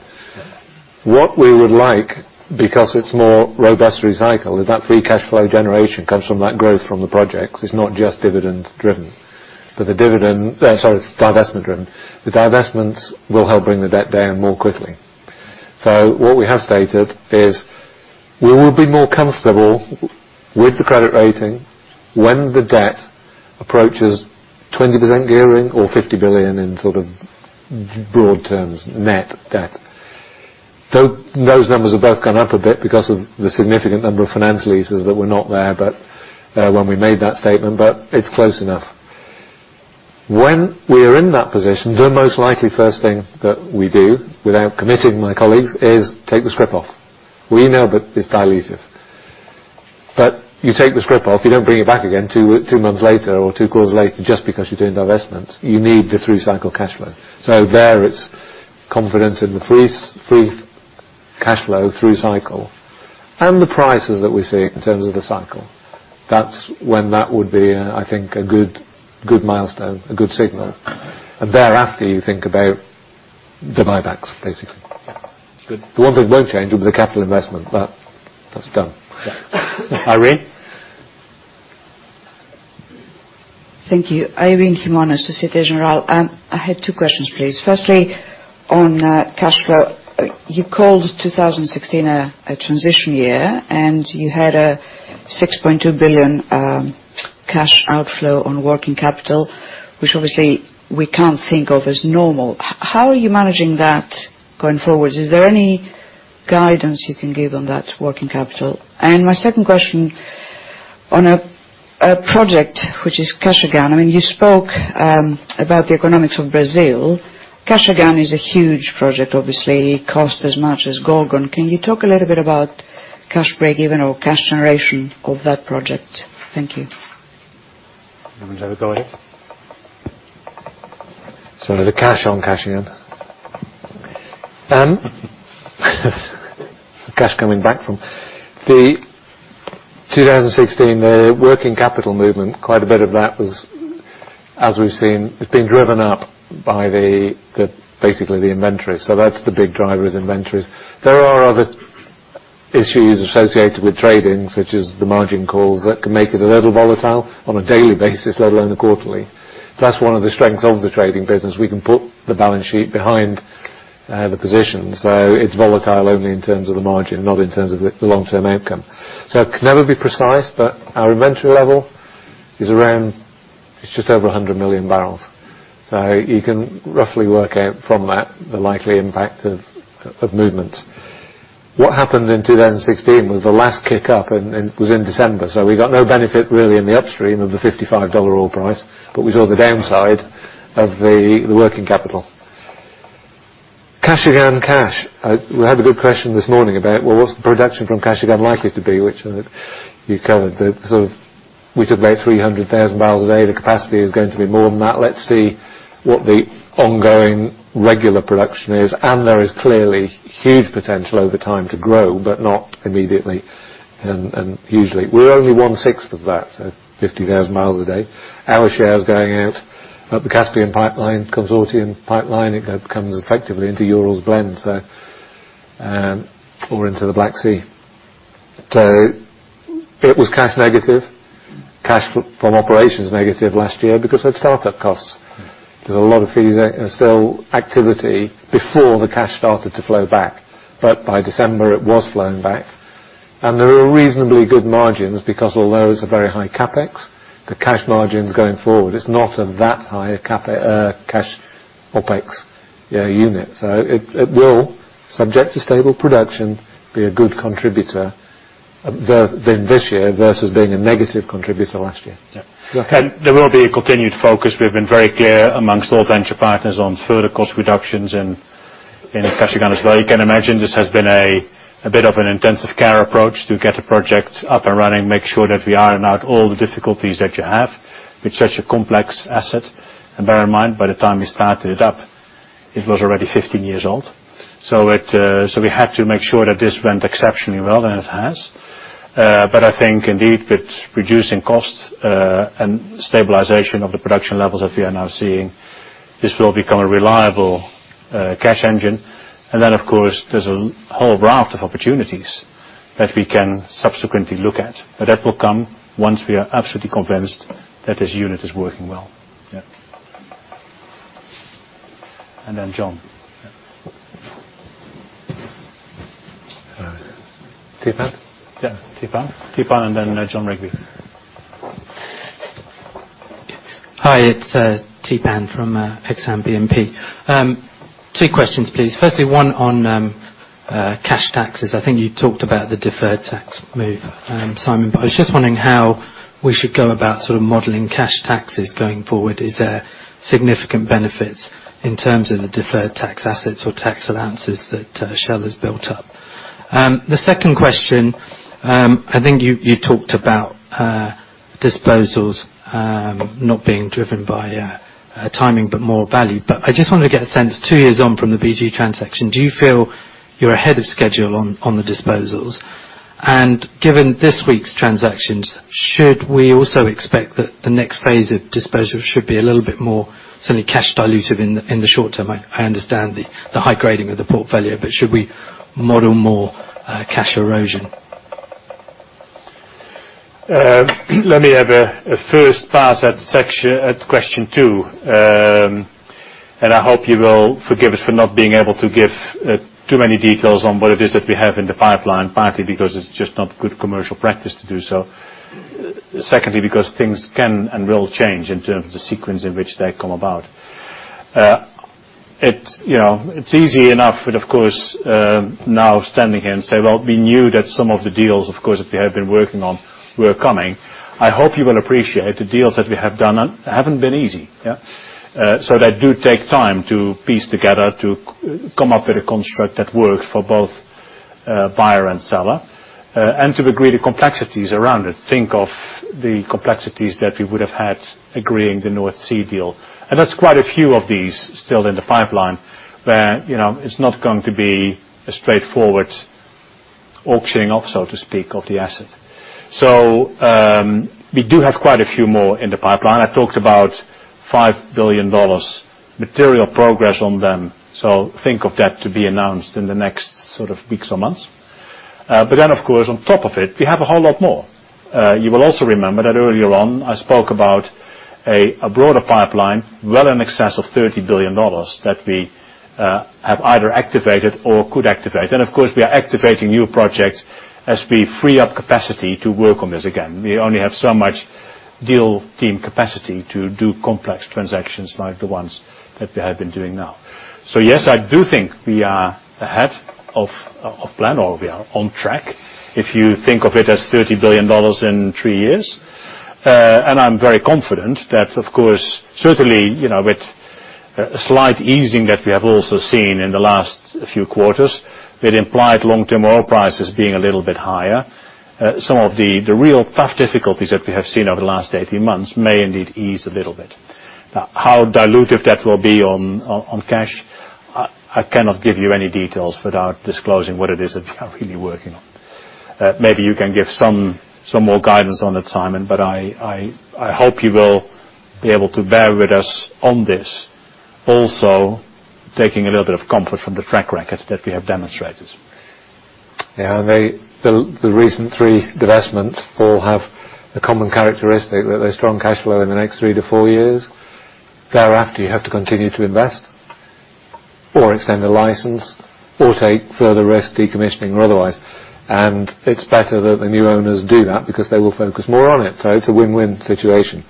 What we would like, because it's more robust recycle, is that free cash flow generation comes from that growth from the projects. It's not just dividend-driven. The dividend Sorry, divestment-driven. The divestments will help bring the debt down more quickly. What we have stated is we will be more comfortable with the credit rating when the debt approaches 20% gearing or $50 billion in sort of broad terms, net debt. Those numbers have both gone up a bit because of the significant number of finance leases that were not there, when we made that statement, but it's close enough. When we are in that position, the most likely first thing that we do, without committing my colleagues, is take the scrip off. We know that it's dilutive. You take the scrip off, you don't bring it back again 2 months later or 2 quarters later just because you're doing divestments. You need the through-cycle cash flow. There it's confidence in the free cash flow through cycle and the prices that we see in terms of the cycle. That's when that would be, I think, a good milestone, a good signal. Thereafter, you think about the buybacks, basically. Good. The one thing won't change will be the capital investment. That's done. Irene? Thank you. Irene Himona, Société Générale. I had two questions, please. Firstly, on cash flow, you called 2016 a transition year. You had a $6.2 billion cash outflow on working capital, which obviously we can't think of as normal. How are you managing that going forward? Is there any guidance you can give on that working capital? My second question on a project, which is Kashagan, you spoke about the economics of Brazil. Kashagan is a huge project, obviously. It cost as much as Gorgon. Can you talk a little bit about cash break-even or cash generation of that project? Thank you. Anyone have a go at it? The cash on Kashagan. The 2016 working capital movement, quite a bit of that, as we've seen, has been driven up by basically the inventory. That's the big driver, is inventories. There are other issues associated with trading, such as the margin calls that can make it a little volatile on a daily basis, let alone a quarterly. That's one of the strengths of the trading business. We can put the balance sheet behind the positions. It's volatile only in terms of the margin, not in terms of the long-term outcome. It can never be precise, but our inventory level is around, it's just over 100 million barrels. You can roughly work out from that the likely impact of movement. What happened in 2016 was the last kick up. It was in December, so we got no benefit really in the upstream of the $55 oil price, but we saw the downside of the working capital. Kashagan cash. We had a good question this morning about what's the production from Kashagan likely to be? Which you covered. We took about 300,000 barrels a day. The capacity is going to be more than that. Let's see what the ongoing regular production is. There is clearly huge potential over time to grow, but not immediately, and hugely. We're only one-sixth of that, so 50,000 barrels a day. Our share is going out the Caspian Pipeline Consortium pipeline, it comes effectively into Urals blend, or into the Black Sea. It was cash negative, cash from operations negative last year because we had startup costs. There's a lot of fees and still activity before the cash started to flow back. By December, it was flowing back, and there are reasonably good margins because although it's a very high CapEx, the cash margins going forward, it's not of that high a cash OpEx unit. It will, subject to stable production, be a good contributor this year versus being a negative contributor last year. Yeah. Go ahead. There will be a continued focus, we've been very clear amongst all venture partners on further cost reductions in Kashagan as well. You can imagine, this has been a bit of an intensive care approach to get a project up and running, make sure that we iron out all the difficulties that you have with such a complex asset. Bear in mind, by the time we started it up, it was already 15 years old. We had to make sure that this went exceptionally well, and it has. I think indeed with reducing costs, stabilization of the production levels that we are now seeing, this will become a reliable cash engine. Of course, there's a whole raft of opportunities that we can subsequently look at. That will come once we are absolutely convinced that this unit is working well. Yeah. John. Tipan? Yeah. Tipan. Tipan and then Jon Rigby. Hi, it's Tipan from Exane BNP. Two questions, please. Firstly, one on cash taxes. I think you talked about the deferred tax move, Simon, but I was just wondering how we should go about modeling cash taxes going forward. Is there significant benefits in terms of the deferred tax assets or tax allowances that Shell has built up? The second question, I think you talked about disposals not being driven by timing, but more value. I just wanted to get a sense, two years on from the BG transaction, do you feel you're ahead of schedule on the disposals? Given this week's transactions, should we also expect that the next phase of disposals should be a little bit more certainly cash dilutive in the short term? I understand the high grading of the portfolio, but should we model more cash erosion? Let me have a first pass at question two. I hope you will forgive us for not being able to give too many details on what it is that we have in the pipeline, partly because it's just not good commercial practice to do so. Secondly, because things can and will change in terms of the sequence in which they come about. It's easy enough, but of course, now standing here and say, "Well, we knew that some of the deals, of course, that we have been working on were coming." I hope you will appreciate the deals that we have done haven't been easy. Yeah. They do take time to piece together, to come up with a construct that works for both buyer and seller, and to agree the complexities around it. Think of the complexities that we would have had agreeing the North Sea deal. There's quite a few of these still in the pipeline where it's not going to be a straightforward auctioning off, so to speak, of the asset. We do have quite a few more in the pipeline. I talked about $5 billion. Material progress on them. Think of that to be announced in the next weeks or months. Of course, on top of it, we have a whole lot more. You will also remember that earlier on, I spoke about a broader pipeline, well in excess of $30 billion that we have either activated or could activate. Of course, we are activating new projects as we free up capacity to work on this again. We only have so much deal team capacity to do complex transactions like the ones that we have been doing now. Yes, I do think we are ahead of plan, or we are on track. If you think of it as $30 billion in 3 years. I'm very confident that, of course, certainly, with a slight easing that we have also seen in the last few quarters, that implied long-term oil prices being a little bit higher. Some of the real tough difficulties that we have seen over the last 18 months may indeed ease a little bit. How dilutive that will be on cash, I cannot give you any details without disclosing what it is that we are really working on. Maybe you can give some more guidance on it, Simon. I hope you will be able to bear with us on this, also taking a little bit of comfort from the track record that we have demonstrated. Yeah. The recent 3 divestments all have a common characteristic, that there's strong cash flow in the next 3 to 4 years. Thereafter, you have to continue to invest or extend a license or take further risk decommissioning or otherwise. It's better that the new owners do that because they will focus more on it. It's a win-win situation.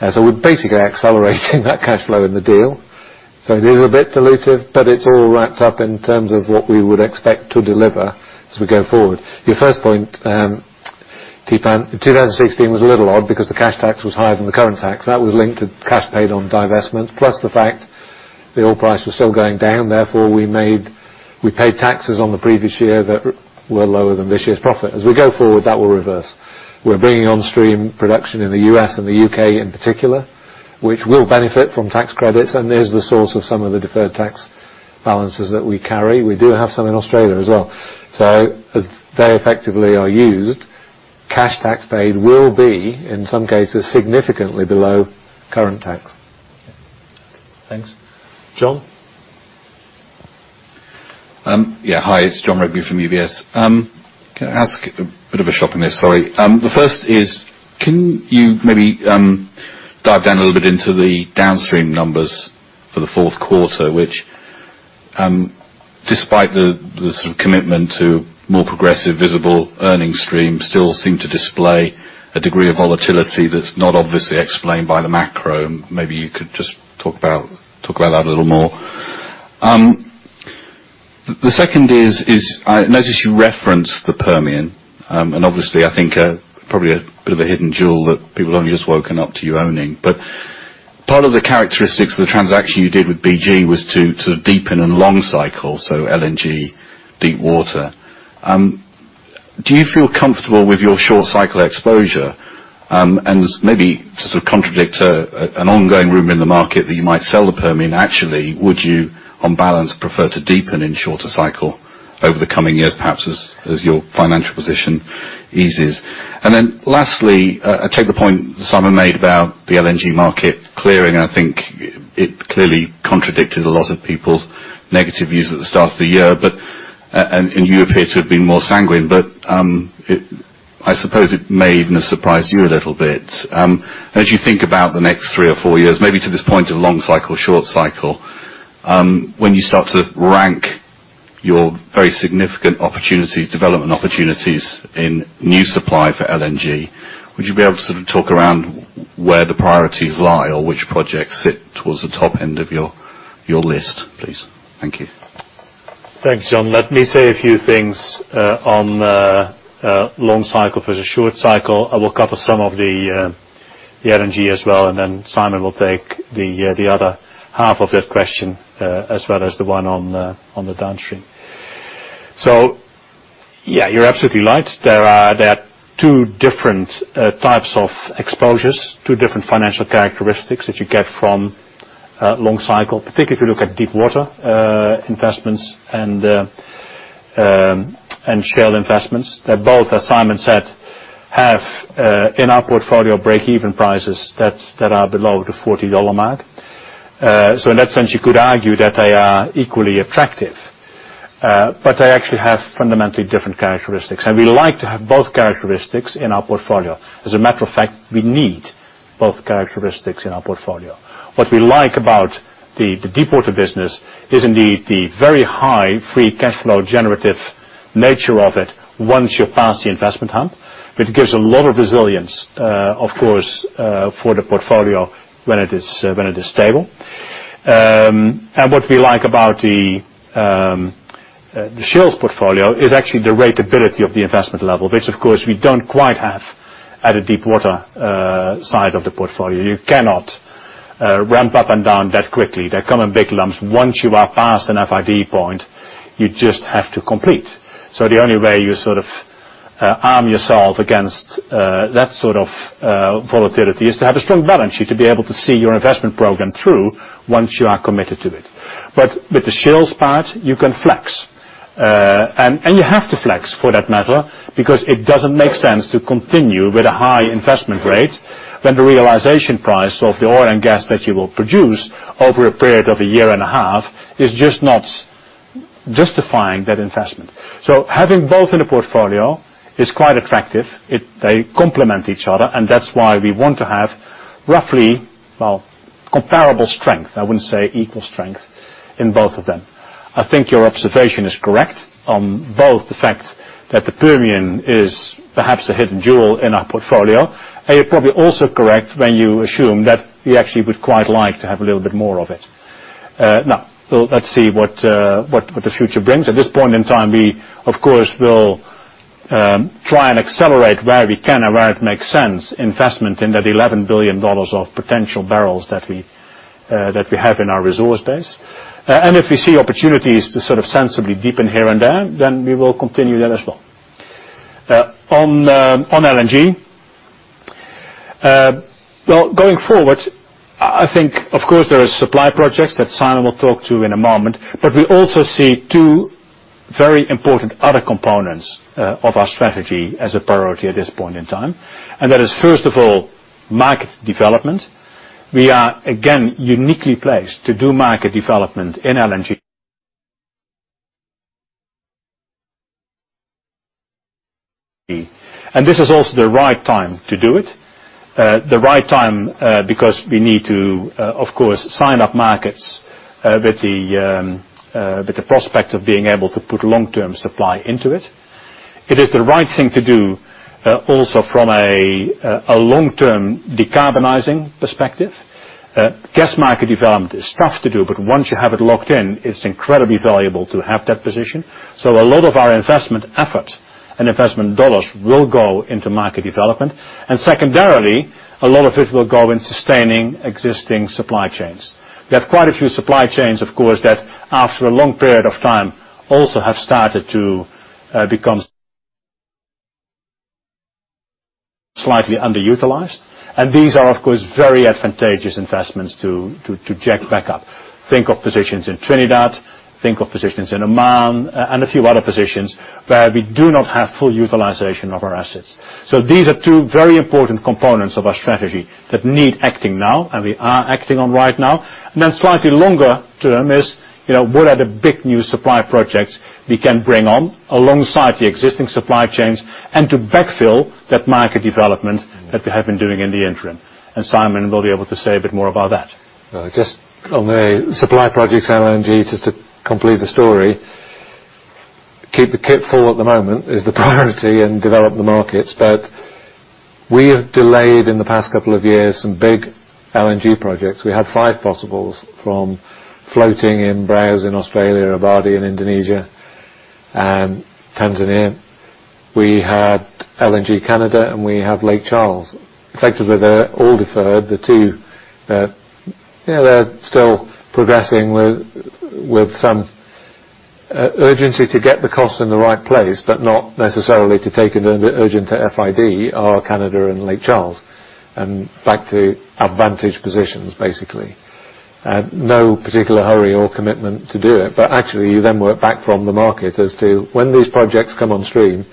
We're basically accelerating that cash flow in the deal. It is a bit dilutive, but it's all wrapped up in terms of what we would expect to deliver as we go forward. Your first point, Theepan, 2016 was a little odd because the cash tax was higher than the current tax. That was linked to cash paid on divestments, plus the fact the oil price was still going down, therefore we paid taxes on the previous year that were lower than this year's profit. As we go forward, that will reverse. We're bringing on stream production in the U.S. and the U.K. in particular, which will benefit from tax credits and is the source of some of the deferred tax balances that we carry. We do have some in Australia as well. As they effectively are used, cash tax paid will be, in some cases, significantly below current tax. Thanks. Jon? Yeah. Hi, it's Jon Rigby from UBS. Can I ask a bit of a shopping list, sorry. The first is, can you maybe dive down a little bit into the downstream numbers for the fourth quarter, which despite the sort of commitment to more progressive visible earnings stream, still seem to display a degree of volatility that's not obviously explained by the macro? Maybe you could just talk about that a little more. The second is, I notice you referenced the Permian, and obviously, I think probably a bit of a hidden jewel that people have only just woken up to you owning. Part of the characteristics of the transaction you did with BG was to deepen and long cycle, so LNG, Deepwater. Do you feel comfortable with your short cycle exposure? Maybe to sort of contradict an ongoing rumor in the market that you might sell the Permian. Actually, would you, on balance, prefer to deepen in shorter cycle over the coming years, perhaps as your financial position eases? Lastly, I take the point Simon made about the LNG market clearing, and I think it clearly contradicted a lot of people's negative views at the start of the year. You appear to have been more sanguine, but I suppose it may even have surprised you a little bit. As you think about the next three or four years, maybe to this point of long cycle, short cycle, when you start to rank your very significant opportunities, development opportunities in new supply for LNG, would you be able to sort of talk around where the priorities lie, or which projects sit towards the top end of your list, please? Thank you. Thanks, John. Let me say a few things on long cycle versus short cycle. I will cover some of the LNG as well, and then Simon will take the other half of that question as well as the one on the downstream. Yeah, you're absolutely right. There are two different types of exposures, two different financial characteristics that you get from long cycle, particularly if you look at Deepwater investments and Shell investments. They both, as Simon said, have, in our portfolio, break-even prices that are below the $40 mark. In that sense, you could argue that they are equally attractive. They actually have fundamentally different characteristics, and we like to have both characteristics in our portfolio. As a matter of fact, we need both characteristics in our portfolio. What we like about the deep water business is indeed the very high free cash flow generative nature of it once you're past the investment hump, which gives a lot of resilience, of course, for the portfolio when it is stable. What we like about the Shell's portfolio is actually the ratability of the investment level. Of course, we don't quite have at a deep water side of the portfolio. You cannot ramp up and down that quickly. They come in big lumps. Once you are past an FID point, you just have to complete. The only way you sort of arm yourself against that sort of volatility is to have a strong balance sheet to be able to see your investment program through once you are committed to it. With the Shell's part, you can flex. You have to flex for that matter, because it doesn't make sense to continue with a high investment rate when the realization price of the oil and gas that you will produce over a period of a year and a half is just not justifying that investment. Having both in a portfolio is quite attractive. They complement each other, and that's why we want to have roughly comparable strength, I wouldn't say equal strength, in both of them. I think your observation is correct on both the fact that the Permian is perhaps a hidden jewel in our portfolio. You're probably also correct when you assume that we actually would quite like to have a little bit more of it. Let's see what the future brings. At this point in time, we, of course, will try and accelerate where we can and where it makes sense, investment in that $11 billion of potential barrels that we have in our resource base. If we see opportunities to sensibly deepen here and there, then we will continue that as well. On LNG, going forward, I think, of course, there are supply projects that Simon will talk to in a moment, but we also see two very important other components of our strategy as a priority at this point in time. That is, first of all, market development. We are, again, uniquely placed to do market development in LNG. This is also the right time to do it. The right time because we need to, of course, sign up markets with the prospect of being able to put long-term supply into it. It is the right thing to do also from a long-term decarbonizing perspective. Gas market development is tough to do, but once you have it locked in, it's incredibly valuable to have that position. A lot of our investment effort and investment dollars will go into market development. Secondarily, a lot of it will go in sustaining existing supply chains. We have quite a few supply chains, of course, that after a long period of time, also have started to become slightly underutilized. These are, of course, very advantageous investments to jack back up. Think of positions in Trinidad, think of positions in Oman, and a few other positions where we do not have full utilization of our assets. These are two very important components of our strategy that need acting now, and we are acting on right now. What are the big new supply projects we can bring on alongside the existing supply chains and to backfill that market development that we have been doing in the interim. Simon will be able to say a bit more about that. Just on the supply projects, LNG, just to complete the story. Keep the kit full at the moment is the priority and develop the markets. We have delayed in the past couple of years, some big LNG projects. We had five possibles from floating in Browse in Australia, Abadi in Indonesia, and Tanzania. We had LNG Canada, and we have Lake Charles. Effectively, they're all deferred. The two that are still progressing with some urgency to get the cost in the right place, but not necessarily to take an urgent FID are Canada and Lake Charles, and back to advantage positions, basically. No particular hurry or commitment to do it, but actually you then work back from the market as to when these projects come on stream,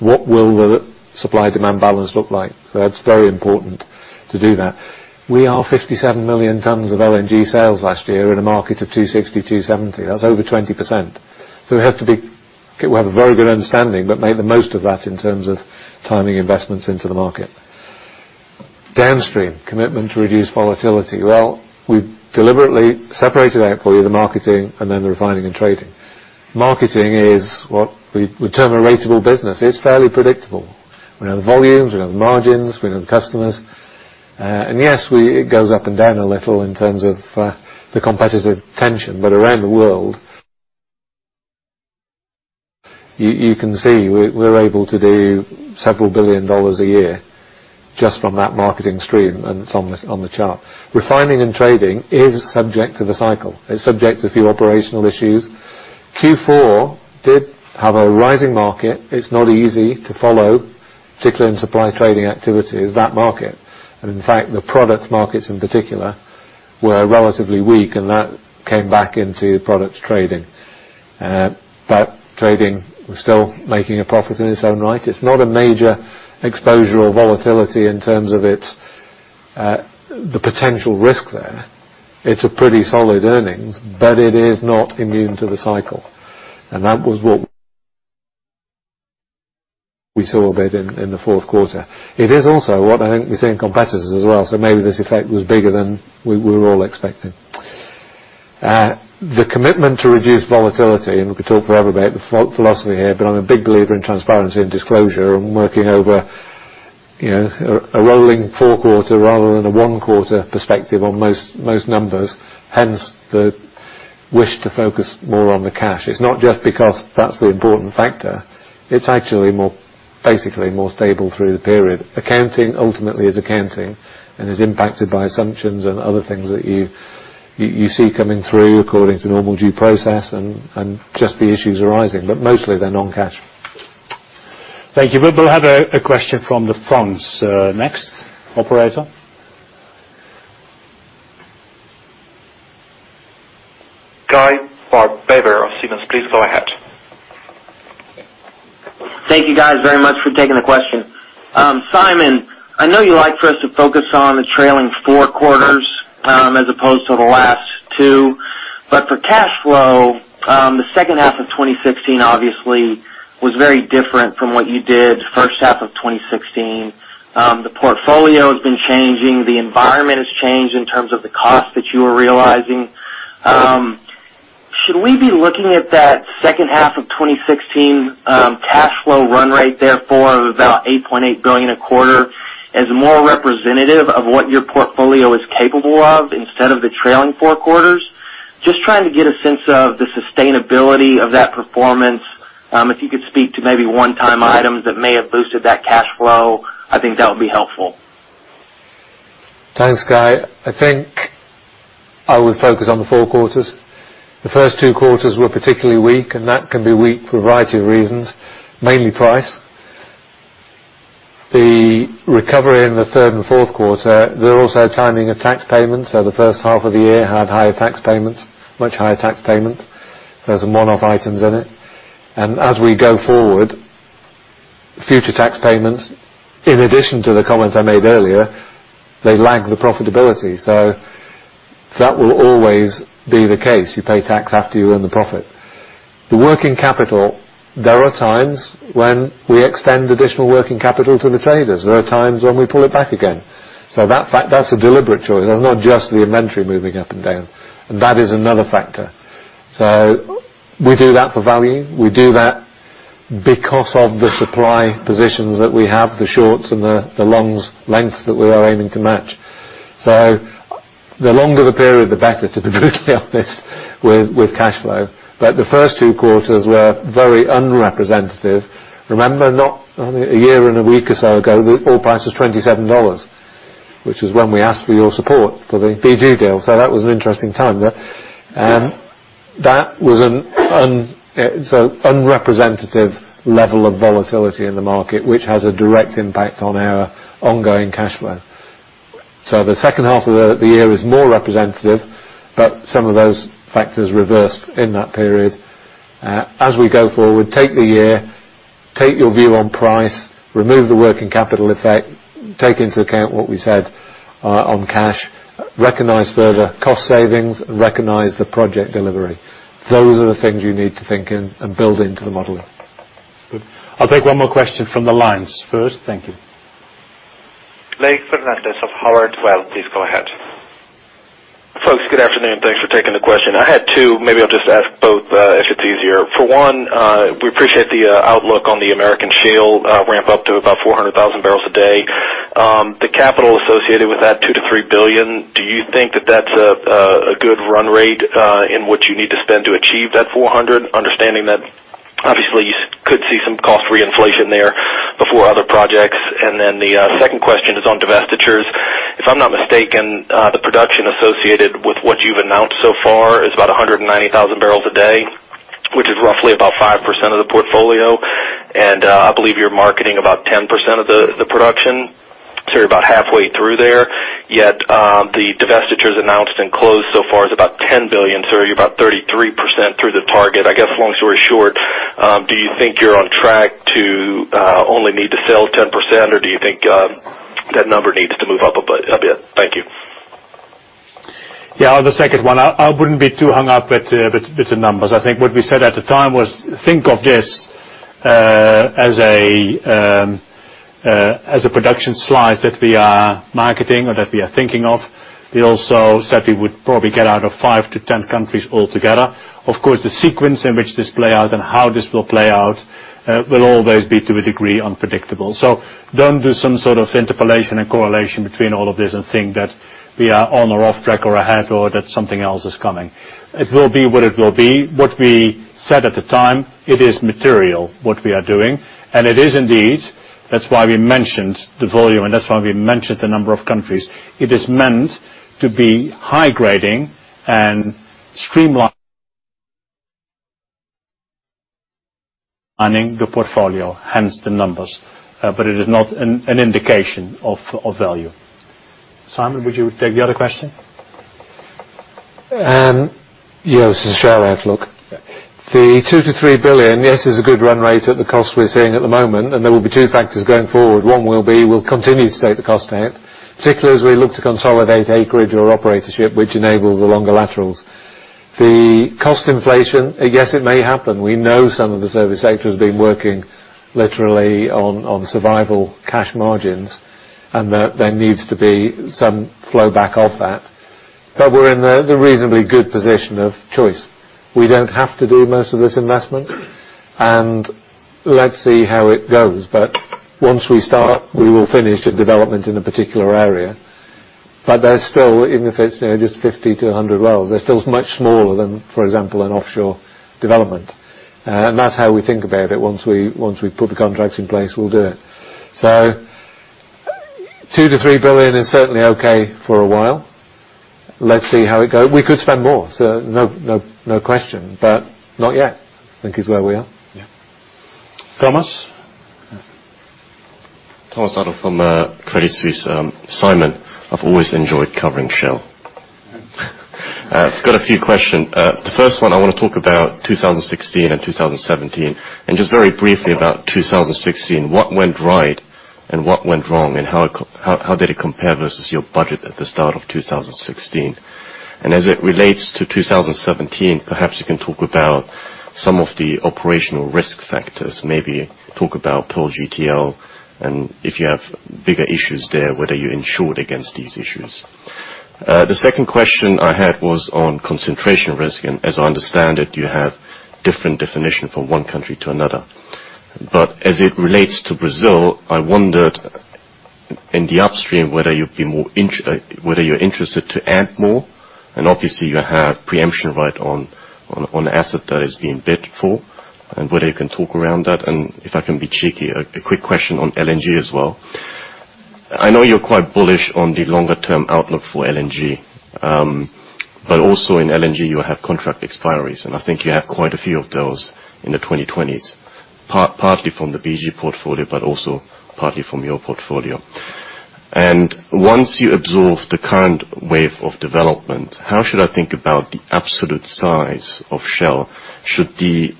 what will the supply-demand balance look like? That's very important to do that. We are 57 million tons of LNG sales last year in a market of 260 million-270 million tons. That's over 20%. We have to have a very good understanding, but make the most of that in terms of timing investments into the market. Downstream, commitment to reduce volatility. Well, we deliberately separated out for you the marketing and then the refining and trading. Marketing is what we term a ratable business. It's fairly predictable. We know the volumes, we know the margins, we know the customers. Yes, it goes up and down a little in terms of the competitive tension. Around the world, you can see we're able to do $ several billion a year just from that marketing stream, and it's on the chart. Refining and trading is subject to the cycle. It's subject to a few operational issues. Q4 did have a rising market. It's not easy to follow, particularly in supply trading activities, that market. In fact, the product markets, in particular, were relatively weak, and that came back into product trading. Trading was still making a profit in its own right. It's not a major exposure or volatility in terms of the potential risk there. It's a pretty solid earnings, but it is not immune to the cycle. That was what we saw a bit in the fourth quarter. It is also what I think we see in competitors as well. Maybe this effect was bigger than we were all expecting. The commitment to reduce volatility. We could talk forever about the philosophy here, but I'm a big believer in transparency and disclosure and working over a rolling four quarter rather than a one quarter perspective on most numbers, hence the wish to focus more on the cash. It's not just because that's the important factor. It's actually basically more stable through the period. Accounting ultimately is accounting and is impacted by assumptions and other things that you see coming through according to normal due process and just the issues arising. Mostly they're non-cash. Thank you. We will have a question from the phones next. Operator? Guy Baber of Simmons. Please go ahead. Thank you guys very much for taking the question. Simon, I know you like for us to focus on the trailing four quarters, as opposed to the last two. For cash flow, the second half of 2016 obviously was very different from what you did first half of 2016. The portfolio has been changing. The environment has changed in terms of the cost that you were realizing. Should we be looking at that second half of 2016 cash flow run rate, therefore, of about $8.8 billion a quarter as more representative of what your portfolio is capable of instead of the trailing four quarters? Just trying to get a sense of the sustainability of that performance. If you could speak to maybe one-time items that may have boosted that cash flow, I think that would be helpful. Thanks, Guy. I think I would focus on the four quarters. The first two quarters were particularly weak, and that can be weak for a variety of reasons, mainly price. The recovery in the third and fourth quarter, there's also timing of tax payments, so the first half of the year had higher tax payments, much higher tax payments. There's some one-off items in it. As we go forward, future tax payments, in addition to the comments I made earlier, they lag the profitability. That will always be the case. You pay tax after you earn the profit. The working capital, there are times when we extend additional working capital to the traders. There are times when we pull it back again. That's a deliberate choice. That's not just the inventory moving up and down. That is another factor. We do that for value. We do that because of the supply positions that we have, the shorts and the longs lengths that we are aiming to match. The longer the period, the better, to be brutally honest, with cash flow. The first two quarters were very unrepresentative. Remember, a year and a week or so ago, the oil price was $27, which is when we asked for your support for the BG deal. That was an interesting time. That was an unrepresentative level of volatility in the market, which has a direct impact on our ongoing cash flow. The second half of the year is more representative, but some of those factors reversed in that period. As we go forward, take the year, take your view on price, remove the working capital effect, take into account what we said on cash, recognize further cost savings, recognize the project delivery. Those are the things you need to think in and build into the model. Good. I'll take one more question from the lines first. Thank you. Blake Fernandez of Howard Weil, please go ahead. Folks, good afternoon. Thanks for taking the question. I had two, maybe I'll just ask both if it's easier. For one, we appreciate the outlook on the American shale ramp up to about 400,000 barrels a day. The capital associated with that $2 billion-$3 billion, do you think that that's a good run rate in what you need to spend to achieve that 400? Understanding that obviously you could see some cost reinflation there before other projects. The second question is on divestitures. If I'm not mistaken, the production associated with what you've announced so far is about 190,000 barrels a day, which is roughly about 5% of the portfolio. I believe you're marketing about 10% of the production. You're about halfway through there, yet the divestitures announced and closed so far is about $10 billion. You're about 33% through the target. I guess long story short, do you think you're on track to only need to sell 10%, or do you think that number needs to move up a bit? Thank you. On the second one, I wouldn't be too hung up with the numbers. I think what we said at the time was, think of this as a production slice that we are marketing or that we are thinking of. We also said we would probably get out of 5 to 10 countries altogether. Of course, the sequence in which this play out and how this will play out will always be, to a degree, unpredictable. Don't do some sort of interpolation and correlation between all of this and think that we are on or off track or ahead or that something else is coming. It will be what it will be. What we said at the time, it is material, what we are doing, and it is indeed. That's why we mentioned the volume, and that's why we mentioned the number of countries. It is meant to be high grading and streamlining the portfolio, hence the numbers. It is not an indication of value. Simon, would you take the other question? Yes. The shale outlook. Yeah. The $2 billion-$3 billion, yes, is a good run rate at the cost we're seeing at the moment. There will be two factors going forward. One will be, we'll continue to take the cost out, particularly as we look to consolidate acreage or operatorship, which enables the longer laterals. The cost inflation, yes, it may happen. We know some of the service sector has been working literally on survival cash margins, that there needs to be some flow back off that. We're in the reasonably good position of choice. We don't have to do most of this investment, and let's see how it goes. Once we start, we will finish a development in a particular area. Even if it's just 50-100 wells, that still is much smaller than, for example, an offshore development. That's how we think about it. Once we put the contracts in place, we'll do it. $2 billion-$3 billion is certainly okay for a while. Let's see how it goes. We could spend more, so no question, not yet, I think is where we are. Yeah. Thomas? Thomas Adolff from Credit Suisse. Simon, I've always enjoyed covering Shell. I've got a few question. The first one I want to talk about 2016 and 2017, just very briefly about 2016, what went right and what went wrong, and how did it compare versus your budget at the start of 2016? As it relates to 2017, perhaps you can talk about some of the operational risk factors, maybe talk about Pearl GTL, and if you have bigger issues there, whether you're insured against these issues. The second question I had was on concentration risk, as I understand it, you have different definition from one country to another. As it relates to Brazil, I wondered in the upstream, whether you're interested to add more, obviously you have pre-emption right on asset that is being bid for, whether you can talk around that. If I can be cheeky, a quick question on LNG as well. I know you're quite bullish on the longer-term outlook for LNG. Also in LNG, you have contract expiries, and I think you have quite a few of those in the 2020s, partly from the BG portfolio, but also partly from your portfolio. Once you absorb the current wave of development, how should I think about the absolute size of Shell? Should the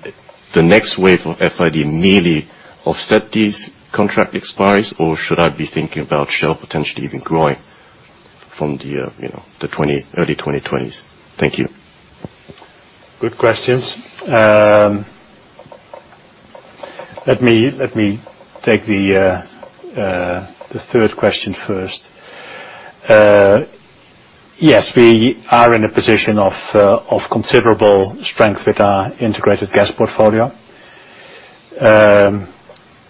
next wave of FID merely offset these contract expiries, or should I be thinking about Shell potentially even growing from the early 2020s? Thank you. Good questions. Let me take the third question first. Yes, we are in a position of considerable strength with our integrated gas portfolio.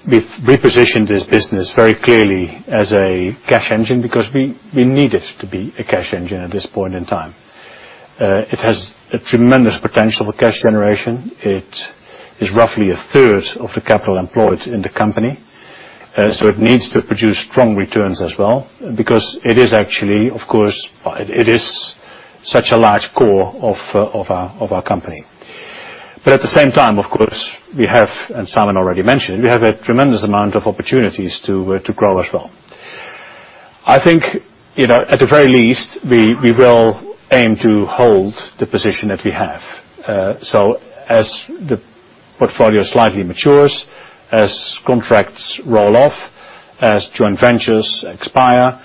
We've repositioned this business very clearly as a cash engine because we need it to be a cash engine at this point in time. It has a tremendous potential for cash generation. It is roughly a third of the capital employed in the company. It needs to produce strong returns as well because it is such a large core of our company. At the same time, of course, we have, Simon already mentioned, we have a tremendous amount of opportunities to grow as well. I think, at the very least, we will aim to hold the position that we have. As the portfolio slightly matures, as contracts roll off, as joint ventures expire,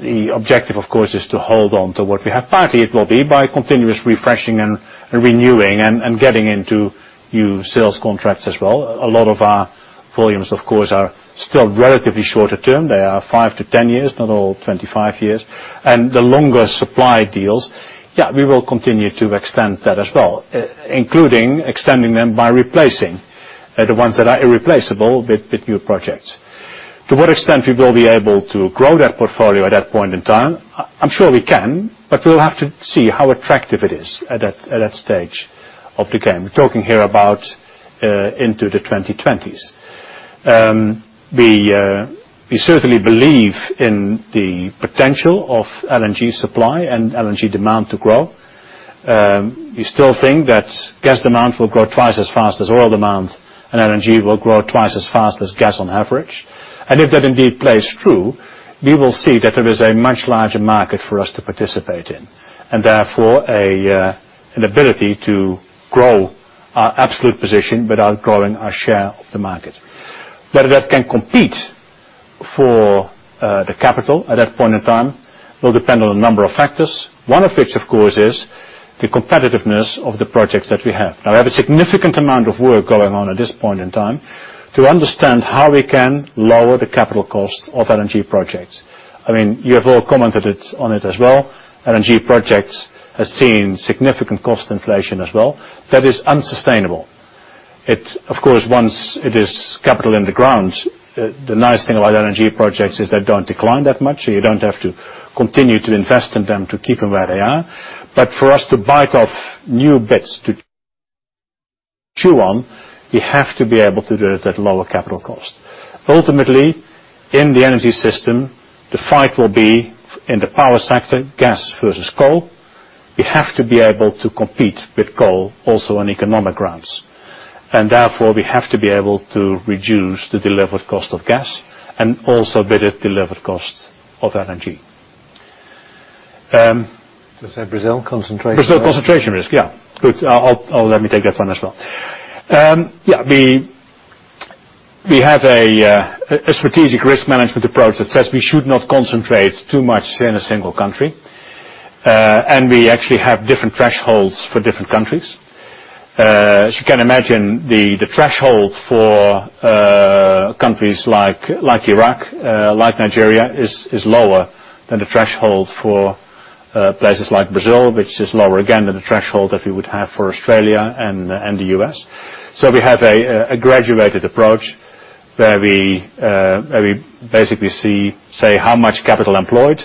the objective, of course, is to hold on to what we have. Partly it will be by continuous refreshing and renewing and getting into new sales contracts as well. A lot of our volumes, of course, are still relatively shorter term. They are 5-10 years, not all 25 years. The longer supply deals, yeah, we will continue to extend that as well, including extending them by replacing the ones that are irreplaceable with new projects. To what extent we will be able to grow that portfolio at that point in time, I'm sure we can, but we'll have to see how attractive it is at that stage of the game. We're talking here about into the 2020s. We certainly believe in the potential of LNG supply and LNG demand to grow. We still think that gas demand will grow twice as fast as oil demand, LNG will grow twice as fast as gas on average. If that indeed plays true, we will see that there is a much larger market for us to participate in, therefore an ability to grow our absolute position without growing our share of the market. Whether that can compete for the capital at that point in time will depend on a number of factors, one of which, of course, is the competitiveness of the projects that we have. We have a significant amount of work going on at this point in time to understand how we can lower the capital cost of LNG projects. I mean, you have all commented on it as well. LNG projects has seen significant cost inflation as well. That is unsustainable. Of course, once it is capital in the ground, the nice thing about LNG projects is they don't decline that much, so you don't have to continue to invest in them to keep them where they are. For us to bite off new bits to chew on, we have to be able to do it at lower capital cost. Ultimately, in the energy system, the fight will be in the power sector, gas versus coal. We have to be able to compete with coal also on economic grounds, therefore, we have to be able to reduce the delivered cost of gas and also better delivered cost of LNG. You said Brazil concentration- Brazil concentration risk, yeah. Good. Let me take that one as well. We have a strategic risk management approach that says we should not concentrate too much in a single country. We actually have different thresholds for different countries. As you can imagine, the threshold for countries like Iraq, like Nigeria, is lower than the threshold for places like Brazil, which is lower again than the threshold that we would have for Australia and the U.S. We have a graduated approach where we basically say how much capital employed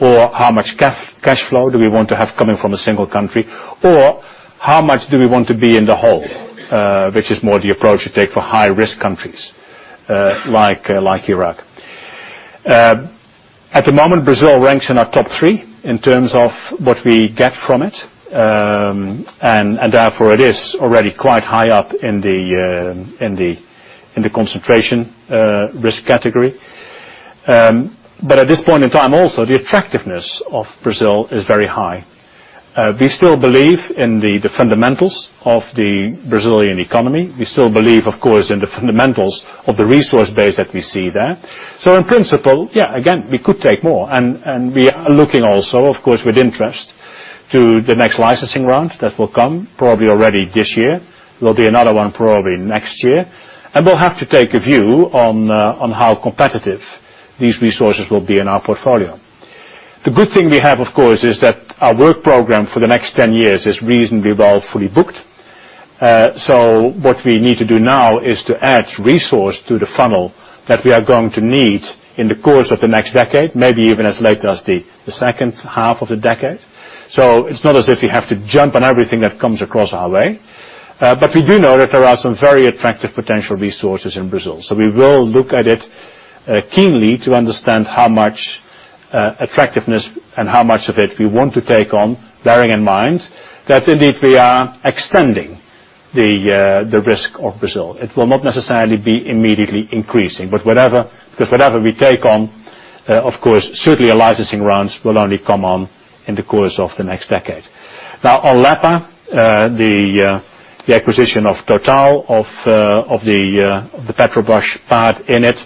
or how much cash flow do we want to have coming from a single country, or how much do we want to be in the whole, which is more the approach you take for high-risk countries like Iraq. At the moment, Brazil ranks in our top three in terms of what we get from it. Therefore, it is already quite high up in the concentration risk category. At this point in time also, the attractiveness of Brazil is very high. We still believe in the fundamentals of the Brazilian economy. We still believe, of course, in the fundamentals of the resource base that we see there. In principle, yeah, again, we could take more, and we are looking also, of course, with interest to the next licensing round that will come probably already this year. There will be another one probably next year. We'll have to take a view on how competitive these resources will be in our portfolio. The good thing we have, of course, is that our work program for the next 10 years is reasonably well fully booked. What we need to do now is to add resource to the funnel that we are going to need in the course of the next decade, maybe even as late as the second half of the decade. It's not as if we have to jump on everything that comes across our way. We do know that there are some very attractive potential resources in Brazil. We will look at it keenly to understand how much attractiveness and how much of it we want to take on, bearing in mind that indeed we are extending the risk of Brazil. It will not necessarily be immediately increasing. Whatever we take on, of course, certainly our licensing rounds will only come on in the course of the next decade. Now on Lapa, the acquisition of Total of the Petrobras part in it,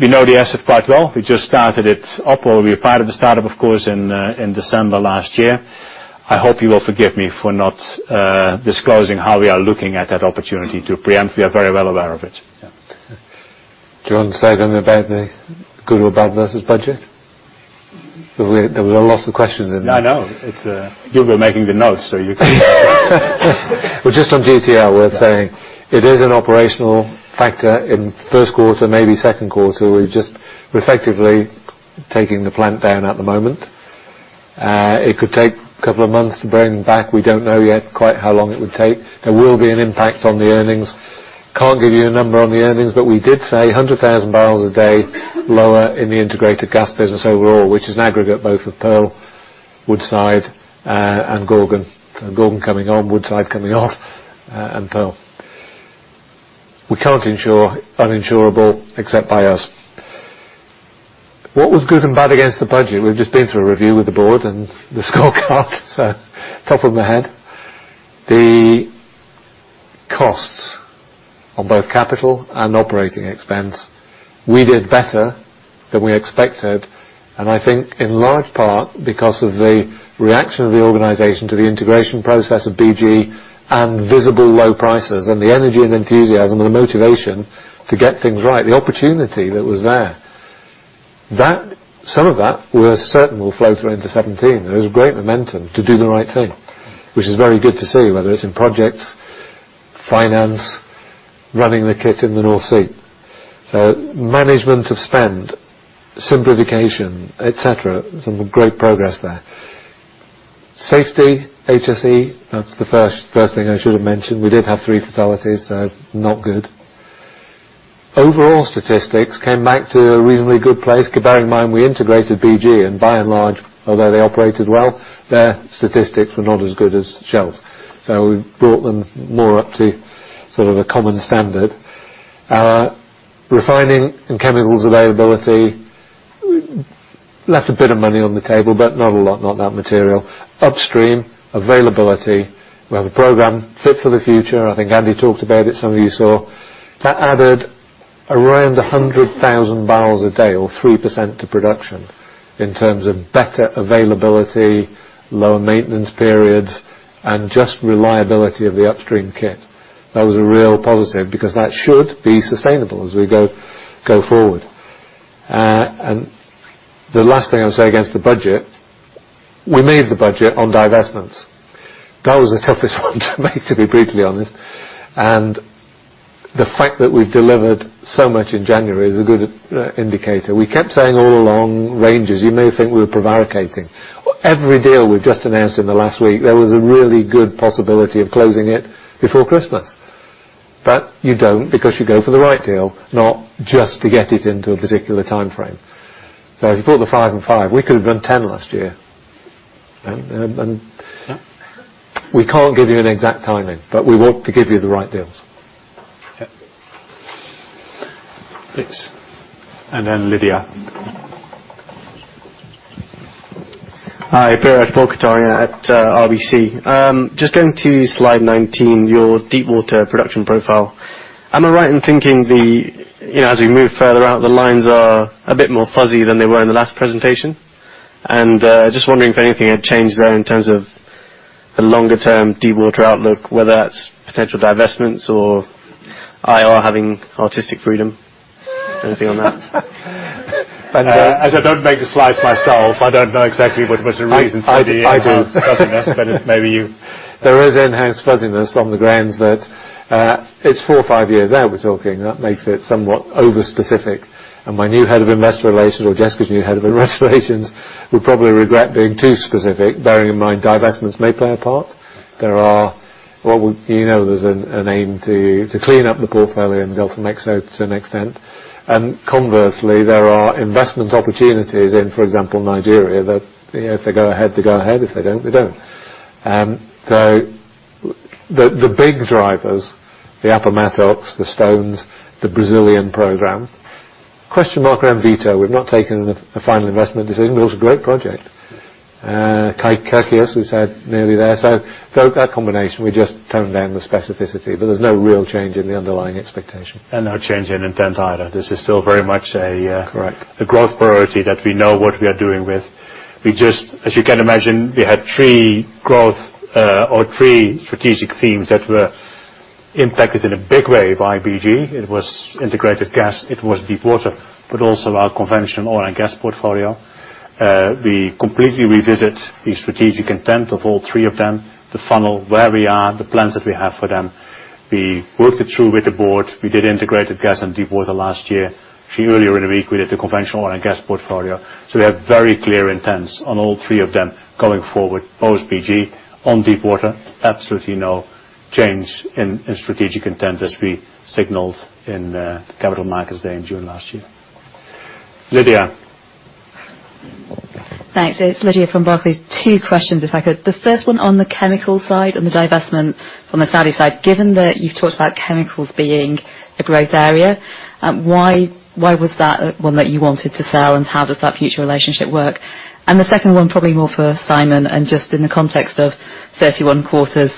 we know the asset quite well. We just started it up, or we were part of the start-up, of course, in December last year. I hope you will forgive me for not disclosing how we are looking at that opportunity to preempt. We are very well aware of it. Yeah. Do you want to say something about the good or bad versus budget? There were a lot of questions in I know. You were making the notes, so you can Well, just on GTL, worth saying, it is an operational factor in first quarter, maybe second quarter. We're effectively taking the plant down at the moment. It could take a couple of months to bring back. We don't know yet quite how long it would take. There will be an impact on the earnings. Can't give you a number on the earnings, but we did say 100,000 barrels a day lower in the integrated gas business overall, which is an aggregate both of Pearl, Woodside, and Gorgon. Gorgon coming on, Woodside coming off, and Pearl. We can't insure uninsurable except by us. What was good and bad against the budget? We've just been through a review with the board and the scorecard so top of my head, the costs on both capital and operating expense, we did better than we expected, and I think in large part because of the reaction of the organization to the integration process of BG and visible low prices and the energy and enthusiasm and the motivation to get things right, the opportunity that was there. Some of that we're certain will flow through into 2017. There was great momentum to do the right thing, which is very good to see, whether it's in projects, finance, running the kit in the North Sea. Management of spend, simplification, et cetera, some great progress there. Safety, HSE, that's the first thing I should have mentioned. We did have three fatalities, so not good. Overall statistics came back to a reasonably good place, bearing in mind we integrated BG and by and large, although they operated well, their statistics were not as good as Shell's. We brought them more up to a common standard. Refining and chemicals availability left a bit of money on the table, but not a lot, not that material. Upstream availability, we have a program Fit for the Future. I think Andy talked about it, some of you saw. That added around 100,000 barrels a day or 3% to production in terms of better availability, lower maintenance periods, and just reliability of the upstream kit. That was a real positive because that should be sustainable as we go forward. The last thing I'll say against the budget, we made the budget on divestments. That was the toughest one to make, to be brutally honest. The fact that we've delivered so much in January is a good indicator. We kept saying all along ranges. You may think we were prevaricating. Every deal we've just announced in the last week, there was a really good possibility of closing it before Christmas. You don't because you go for the right deal, not just to get it into a particular timeframe. As you put the five and five, we could have done 10 last year. We can't give you an exact timing, but we want to give you the right deals. Yeah. Thanks. Then Lydia. Hi, Biraj Borkhataria at RBC. Just going to slide 19, your deep water production profile. Am I right in thinking, as we move further out, the lines are a bit more fuzzy than they were in the last presentation? Just wondering if anything had changed there in terms of the longer term deep water outlook, whether that's potential divestments or IR having artistic freedom. Anything on that? As I don't make the slides myself, I don't know exactly what the reasons for the I do fuzziness, but maybe you There is enhanced fuzziness on the grounds that it's four or five years out we're talking. That makes it somewhat over-specific, and my new head of investor relations, or Jessica's new head of investor relations, will probably regret being too specific, bearing in mind divestments may play a part. There's an aim to clean up the portfolio in Gulf of Mexico to an extent. Conversely, there are investment opportunities in, for example, Nigeria, that if they go ahead, they go ahead. If they don't, they don't. The big drivers, the Appomattox, the Stones, the Brazilian program. Question mark around Vito. We've not taken a final investment decision, but it's a great project. Kaikias, we said, nearly there. That combination, we just toned down the specificity, but there's no real change in the underlying expectation. No change in intent either. This is still very much. Correct a growth priority that we know what we are doing with. As you can imagine, we had three growth or three strategic themes that were impacted in a big way by BG. It was integrated gas, it was Deepwater, but also our conventional oil and gas portfolio. We completely revisit the strategic intent of all three of them, the funnel, where we are, the plans that we have for them. We worked it through with the board. We did integrated gas and Deepwater last year. Earlier in the week, we did the conventional oil and gas portfolio. We have very clear intents on all three of them going forward, post BG. On Deepwater, absolutely no change in strategic intent as we signaled in Capital Markets Day in June last year. Lydia. Thanks. It's Lydia from Barclays. Two questions if I could. The first one on the chemical side and the divestment from the Saudi side. Given that you've talked about chemicals being a growth area, why was that one that you wanted to sell and how does that future relationship work? The second one, probably more for Simon and just in the context of 31 quarters,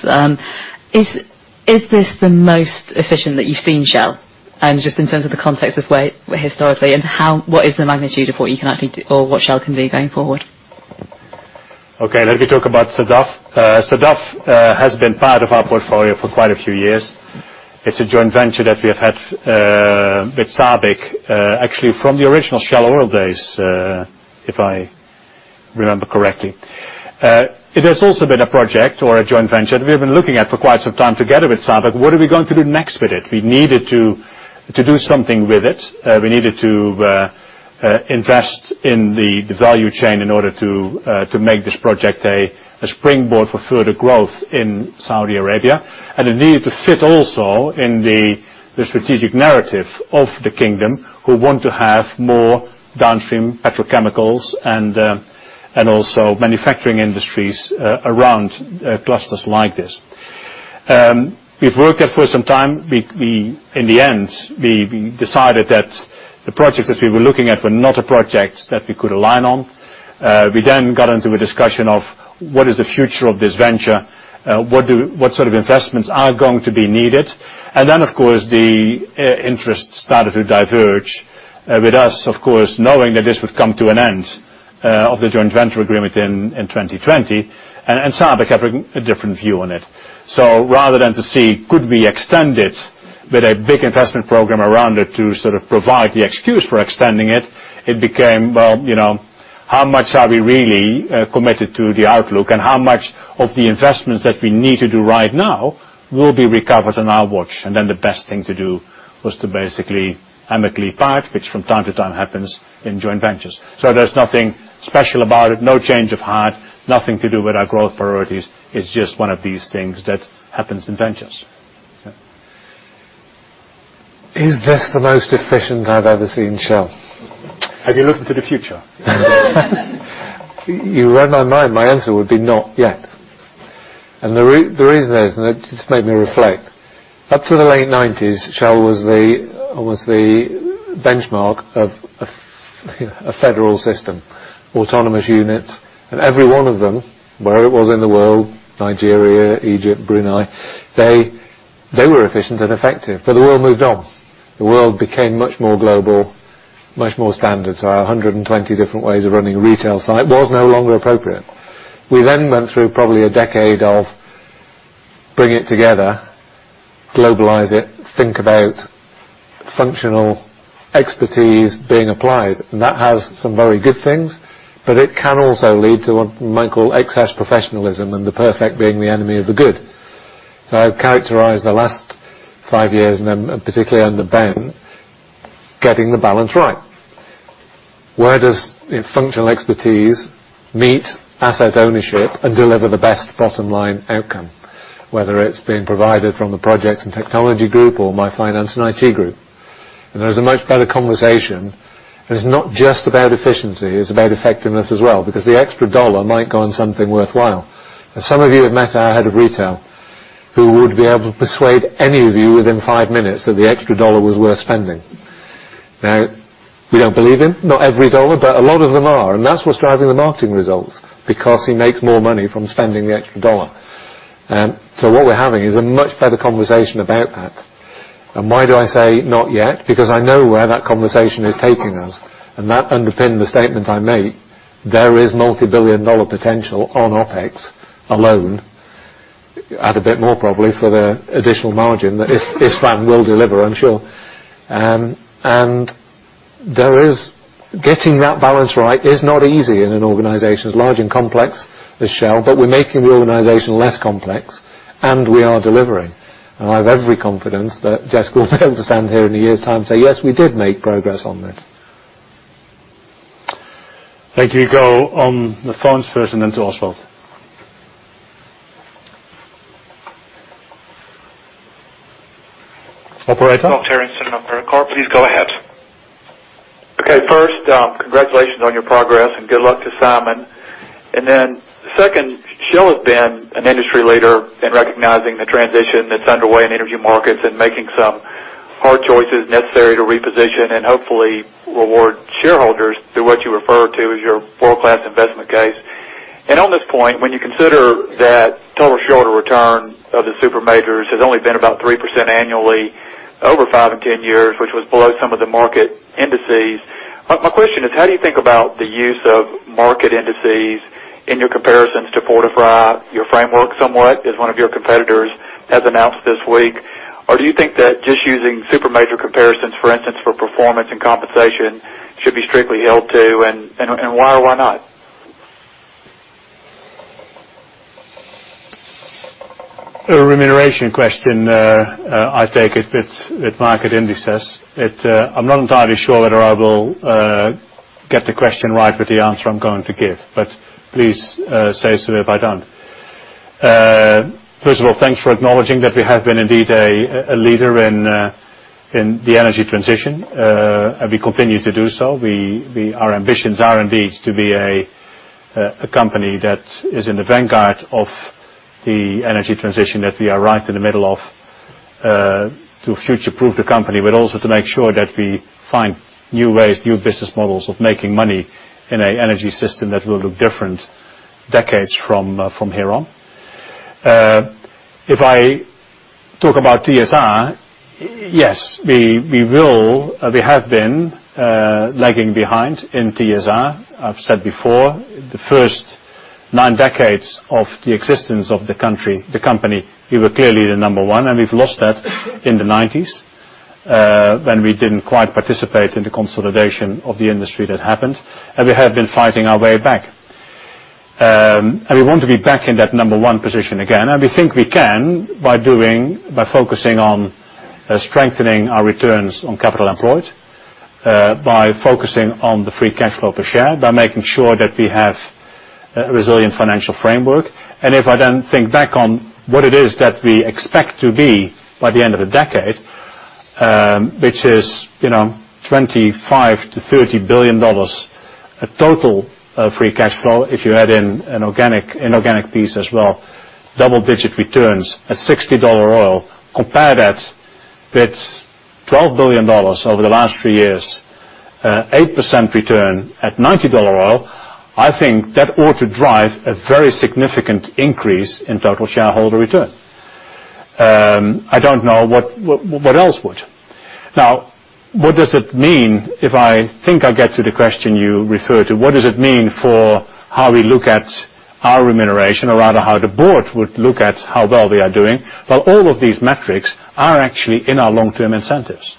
is this the most efficient that you've seen Shell? Just in terms of the context of historically, what is the magnitude of what you can actually do or what Shell can do going forward? Okay. Let me talk about SADAF. SADAF has been part of our portfolio for quite a few years. It's a joint venture that we have had with SABIC, actually from the original Shell Oil days, if I remember correctly. It has also been a project or a joint venture that we have been looking at for quite some time together with SABIC. What are we going to do next with it? We needed to do something with it. We needed to invest in the value chain in order to make this project a springboard for further growth in Saudi Arabia. It needed to fit also in the strategic narrative of the kingdom, who want to have more downstream petrochemicals and also manufacturing industries around clusters like this. We've worked at it for some time. In the end, we decided that the projects that we were looking at were not a project that we could align on. We then got into a discussion of what is the future of this venture? What sort of investments are going to be needed? Then, of course, the interest started to diverge with us, of course, knowing that this would come to an end of the joint venture agreement in 2020, and SABIC having a different view on it. Rather than to see could we extend it with a big investment program around it to sort of provide the excuse for extending it became, well, how much are we really committed to the outlook and how much of the investments that we need to do right now will be recovered on our watch? The best thing to do was to basically amicably part, which from time to time happens in joint ventures. There's nothing special about it, no change of heart, nothing to do with our growth priorities. It's just one of these things that happens in ventures. Is this the most efficient I've ever seen Shell? Have you looked into the future? You read my mind. My answer would be not yet. The reason is, and it just made me reflect, up to the late 1990s, Shell was the benchmark of a federal system, autonomous units. Every one of them, where it was in the world, Nigeria, Egypt, Brunei, they were efficient and effective. The world moved on. The world became much more global, much more standard. Our 120 different ways of running a retail site was no longer appropriate. We then went through probably a decade of bring it together, globalize it, think about functional expertise being applied. That has some very good things, but it can also lead to what you might call excess professionalism and the perfect being the enemy of the good. I would characterize the last five years, and then particularly under Ben, getting the balance right. Where does functional expertise meet asset ownership and deliver the best bottom line outcome, whether it's being provided from the projects and technology group or my finance and IT group? There is a much better conversation, and it's not just about efficiency, it's about effectiveness as well, because the extra dollar might go on something worthwhile. Some of you have met our head of retail who would be able to persuade any of you within five minutes that the extra dollar was worth spending. We don't believe him, not every dollar, but a lot of them are, and that's what's driving the marketing results because he makes more money from spending the extra dollar. What we're having is a much better conversation about that. Why do I say not yet? Because I know where that conversation is taking us, and that underpinned the statement I made. There is multibillion-dollar potential on OpEx alone. Add a bit more probably for the additional margin that Isfan will deliver, I'm sure. Getting that balance right is not easy in an organization as large and complex as Shell, but we're making the organization less complex and we are delivering. I have every confidence that Jessica will be able to stand here in a year's time and say, "Yes, we did make progress on this. Thank you. Go on the phones first and then to Oswald. Operator? This is Terry Harrison at Brinker. Please go ahead. First, congratulations on your progress and good luck to Simon. Then second, Shell has been an industry leader in recognizing the transition that's underway in energy markets and making some hard choices necessary to reposition and hopefully reward shareholders through what you refer to as your world-class investment case. On this point, when you consider that total shareholder return of the super majors has only been about 3% annually over five and 10 years, which was below some of the market indices. My question is, how do you think about the use of market indices in your comparisons to fortify your framework somewhat as one of your competitors has announced this week? Do you think that just using super major comparisons, for instance, for performance and compensation, should be strictly held to, and why or why not? A remuneration question, I take it, with market indices. I'm not entirely sure whether I will get the question right with the answer I'm going to give, but please say so if I don't. First of all, thanks for acknowledging that we have been indeed a leader in the energy transition. We continue to do so. Our ambitions are indeed to be a company that is in the vanguard of the energy transition that we are right in the middle of, to future-proof the company, but also to make sure that we find new ways, new business models of making money in an energy system that will look different decades from here on. If I talk about TSR, yes, we have been lagging behind in TSR. I've said before, the first nine decades of the existence of the company, we were clearly the number one, and we've lost that in the '90s, when we didn't quite participate in the consolidation of the industry that happened, and we have been fighting our way back. We want to be back in that number one position again. We think we can by focusing on strengthening our returns on capital employed, by focusing on the free cash flow per share, by making sure that we have a resilient financial framework. If I then think back on what it is that we expect to be by the end of the decade, which is $25 billion-$30 billion, a total of free cash flow, if you add in an organic piece as well, double-digit returns at $60 oil. Compare that with $12 billion over the last three years, 8% return at $90 oil. I think that ought to drive a very significant increase in total shareholder return. I don't know what else would. What does it mean, if I think I get to the question you refer to, what does it mean for how we look at our remuneration, or rather, how the board would look at how well we are doing? Well, all of these metrics are actually in our long-term incentives.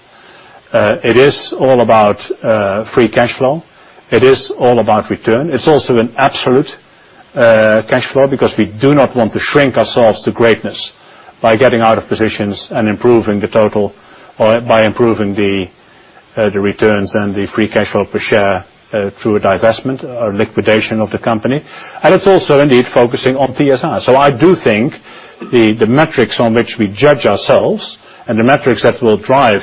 It is all about free cash flow. It is all about return. It's also an absolute cash flow because we do not want to shrink ourselves to greatness by getting out of positions and improving the total, or by improving the returns and the free cash flow per share through a divestment or liquidation of the company. It's also indeed focusing on TSR. I do think the metrics on which we judge ourselves and the metrics that will drive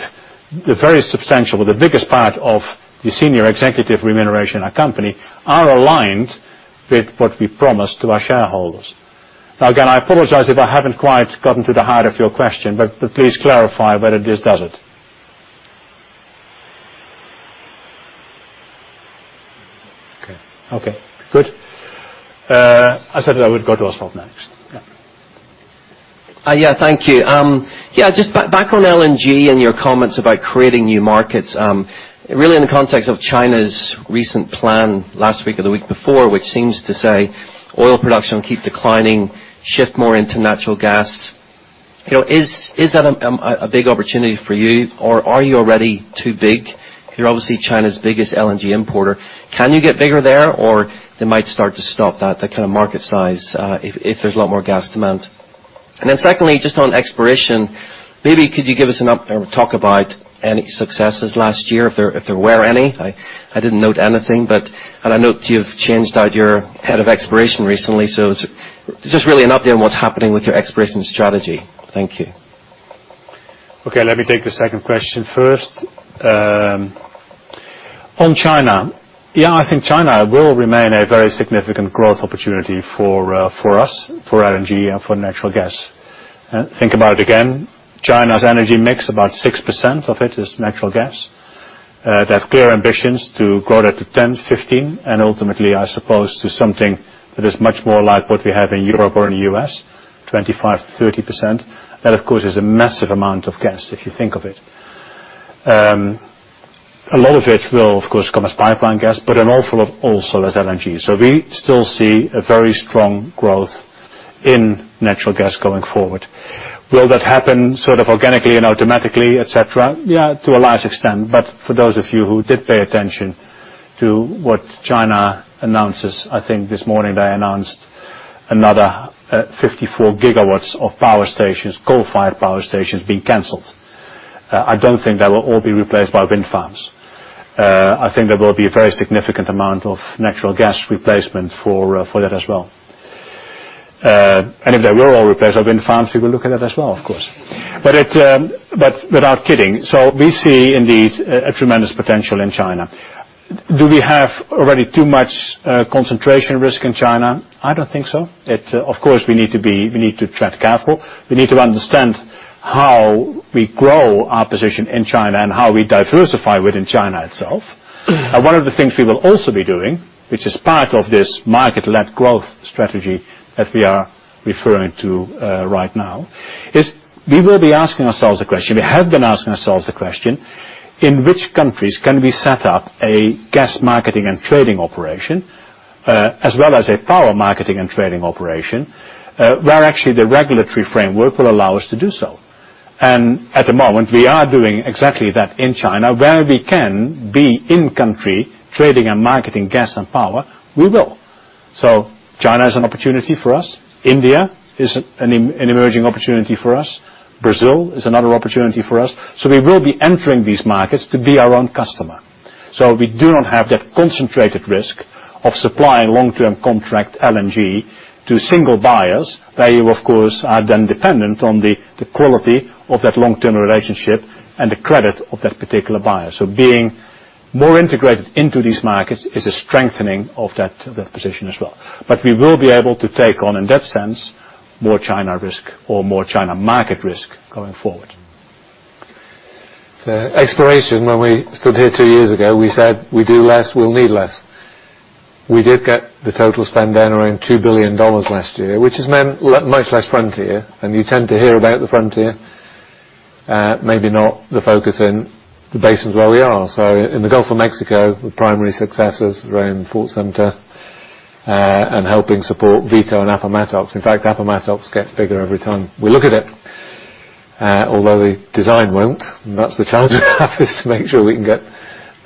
the very substantial, the biggest part of the senior executive remuneration in our company, are aligned with what we promise to our shareholders. Again, I apologize if I haven't quite gotten to the heart of your question, but please clarify whether this does it. Okay, good. I said that I would go to Oswald next. Yeah. Thank you. Back on LNG and your comments about creating new markets. Really in the context of China's recent plan last week or the week before, which seems to say oil production will keep declining, shift more into natural gas. Is that a big opportunity for you or are you already too big? You're obviously China's biggest LNG importer. Can you get bigger there or they might start to stop that kind of market size, if there's a lot more gas demand? Secondly, on exploration, maybe could you give us an update or talk about any successes last year, if there were any? I didn't note anything. I note you've changed out your head of exploration recently. Really an update on what's happening with your exploration strategy. Thank you. Okay, let me take the second question first. On China. I think China will remain a very significant growth opportunity for us, for LNG and for natural gas. Think about it again. China's energy mix, about 6% of it is natural gas. They have clear ambitions to grow that to 10, 15, and ultimately, I suppose, to something that is much more like what we have in Europe or in the U.S., 25%-30%. That, of course, is a massive amount of gas if you think of it. A lot of it will, of course, come as pipeline gas, but an awful lot also as LNG. We still see a very strong growth in natural gas going forward. Will that happen sort of organically and automatically, et cetera? To a large extent. For those of you who did pay attention to what China announces, I think this morning they announced another 54 gigawatts of power stations, coal-fired power stations, being canceled. I don't think they will all be replaced by wind farms. I think there will be a very significant amount of natural gas replacement for that as well. If they were all replaced by wind farms, we will look at that as well, of course. Without kidding, we see indeed a tremendous potential in China. Do we have already too much concentration risk in China? I don't think so. Of course, we need to tread careful. We need to understand how we grow our position in China and how we diversify within China itself. One of the things we will also be doing, which is part of this market-led growth strategy that we are referring to right now, is we will be asking ourselves the question. We have been asking ourselves the question. In which countries can we set up a gas marketing and trading operation, as well as a power marketing and trading operation, where actually the regulatory framework will allow us to do so. At the moment, we are doing exactly that in China, where we can be in country trading and marketing gas and power, we will. China is an opportunity for us. India is an emerging opportunity for us. Brazil is another opportunity for us. We will be entering these markets to be our own customer. We do not have that concentrated risk of supplying long-term contract LNG to single buyers, where you, of course, are then dependent on the quality of that long-term relationship and the credit of that particular buyer. Being more integrated into these markets is a strengthening of that position as well. We will be able to take on, in that sense, more China risk or more China market risk going forward. Exploration, when we stood here two years ago, we said, "We do less, we'll need less." We did get the total spend down around $2 billion last year, which has meant much less frontier. You tend to hear about the frontier, maybe not the focus in the basins where we are. In the Gulf of Mexico, the primary success is around Fort Sumter, and helping support Vito and Appomattox. In fact, Appomattox gets bigger every time we look at it. Although the design won't, and that's the challenge we have is to make sure we can get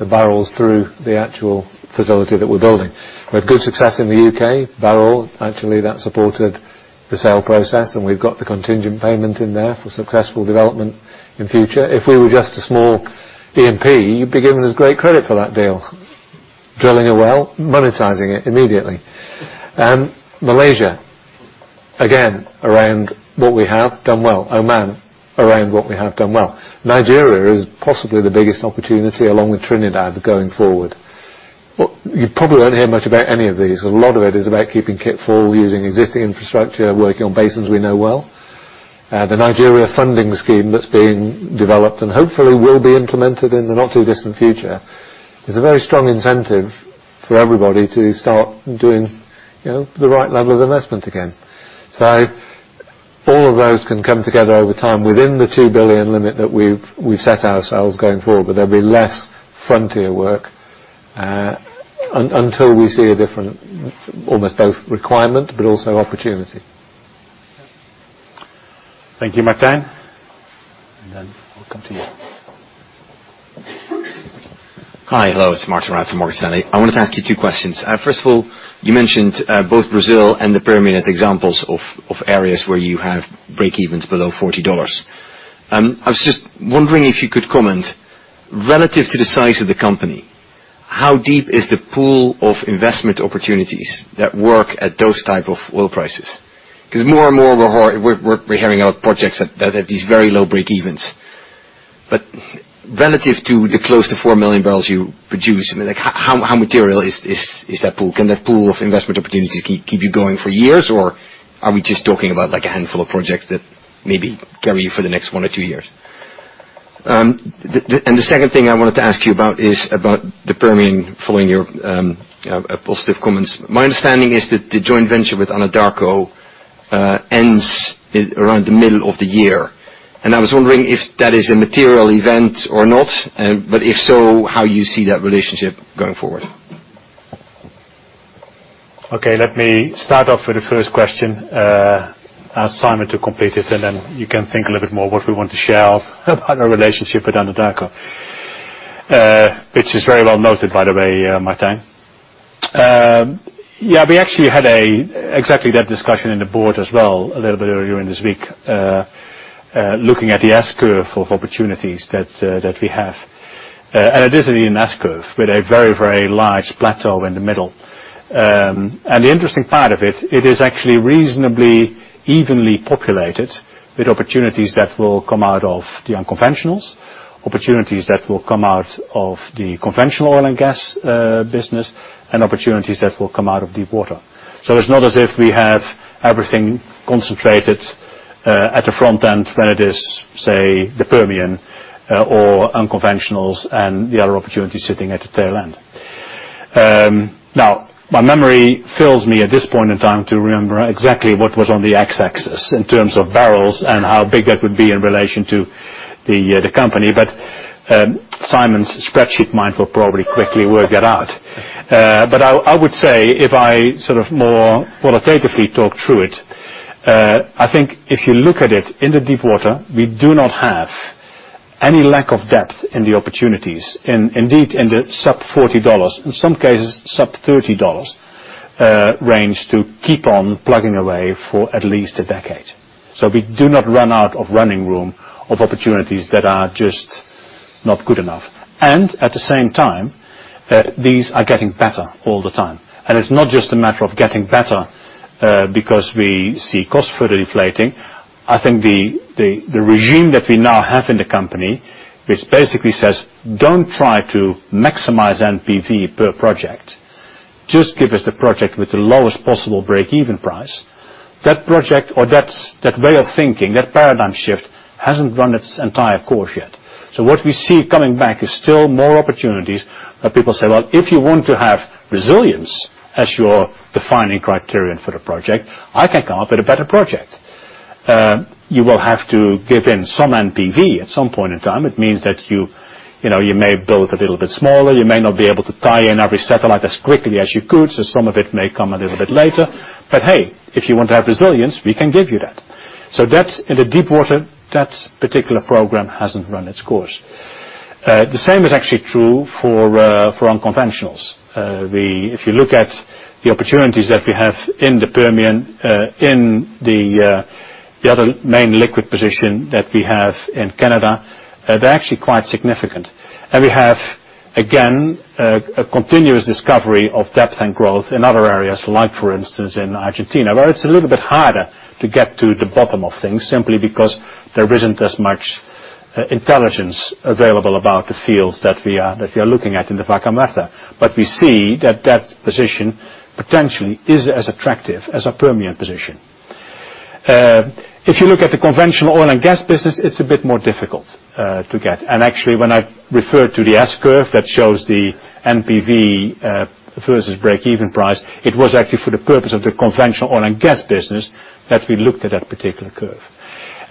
the barrels through the actual facility that we're building. We had good success in the U.K. Barrel, actually, that supported the sale process, and we've got the contingent payment in there for successful development in future. If we were just a small EMP, you'd be giving us great credit for that deal. Drilling a well, monetizing it immediately. Malaysia, again, around what we have done well. Oman, around what we have done well. Nigeria is possibly the biggest opportunity along with Trinidad going forward. You probably won't hear much about any of these. A lot of it is about keeping kit full, using existing infrastructure, working on basins we know well. The Nigeria funding scheme that's being developed, and hopefully will be implemented in the not too distant future, is a very strong incentive for everybody to start doing the right level of investment again. All of those can come together over time within the $2 billion limit that we've set ourselves going forward. There'll be less frontier work, until we see a different almost both requirement, but also opportunity. Thank you, Martijn. Then I'll come to you. Hi, hello. It's Martijn Rats from Morgan Stanley. I wanted to ask you two questions. First of all, you mentioned both Brazil and the Permian as examples of areas where you have breakevens below $40. I was just wondering if you could comment, relative to the size of the company, how deep is the pool of investment opportunities that work at those type of oil prices? Because more and more, we're hearing about projects that have these very low breakevens. Relative to the close to four million barrels you produce, how material is that pool? Can that pool of investment opportunities keep you going for years, or are we just talking about a handful of projects that maybe carry you for the next one or two years? The second thing I wanted to ask you about is about the Permian, following your positive comments. My understanding is that the joint venture with Anadarko ends around the middle of the year. I was wondering if that is a material event or not, but if so, how you see that relationship going forward. Okay. Let me start off with the first question, ask Simon to complete it, then you can think a little bit more what we want to share about our relationship with Anadarko. Which is very well noted, by the way, Martin. We actually had exactly that discussion in the board as well a little bit earlier in this week, looking at the S-curve of opportunities that we have. It is an S-curve with a very large plateau in the middle. The interesting part of it is actually reasonably evenly populated with opportunities that will come out of the unconventionals, opportunities that will come out of the conventional oil and gas business, and opportunities that will come out of deep water. It's not as if we have everything concentrated at the front end, whether it is, say, the Permian or unconventionals and the other opportunities sitting at the tail end. My memory fails me at this point in time to remember exactly what was on the X-axis in terms of barrels and how big that would be in relation to the company. Simon's spreadsheet mind will probably quickly work that out. I would say if I more qualitatively talk through it, I think if you look at it in the deep water, we do not have any lack of depth in the opportunities. Indeed, in the sub-$40, in some cases sub-$30 range to keep on plugging away for at least a decade. We do not run out of running room of opportunities that are just not good enough. At the same time, these are getting better all the time. It's not just a matter of getting better because we see costs further deflating. I think the regime that we now have in the company, which basically says, "Don't try to maximize NPV per project. Just give us the project with the lowest possible breakeven price." That project or that way of thinking, that paradigm shift hasn't run its entire course yet. What we see coming back is still more opportunities where people say, "Well, if you want to have resilience as your defining criterion for the project, I can come up with a better project." You will have to give in some NPV at some point in time. It means that you may build a little bit smaller. You may not be able to tie in every satellite as quickly as you could, so some of it may come a little bit later. Hey, if you want to have resilience, we can give you that. That, in the deepwater, that particular program hasn't run its course. The same is actually true for unconventionals. If you look at the opportunities that we have in the Permian, in the other main liquid position that we have in Canada, they're actually quite significant. We have, again, a continuous discovery of depth and growth in other areas, like for instance, in Argentina, where it's a little bit harder to get to the bottom of things simply because there isn't as much intelligence available about the fields that we are looking at in the Vaca Muerta. We see that that position, potentially, is as attractive as our Permian position. If you look at the conventional oil and gas business, it's a bit more difficult to get. Actually, when I refer to the S-curve that shows the NPV versus breakeven price, it was actually for the purpose of the conventional oil and gas business that we looked at that particular curve.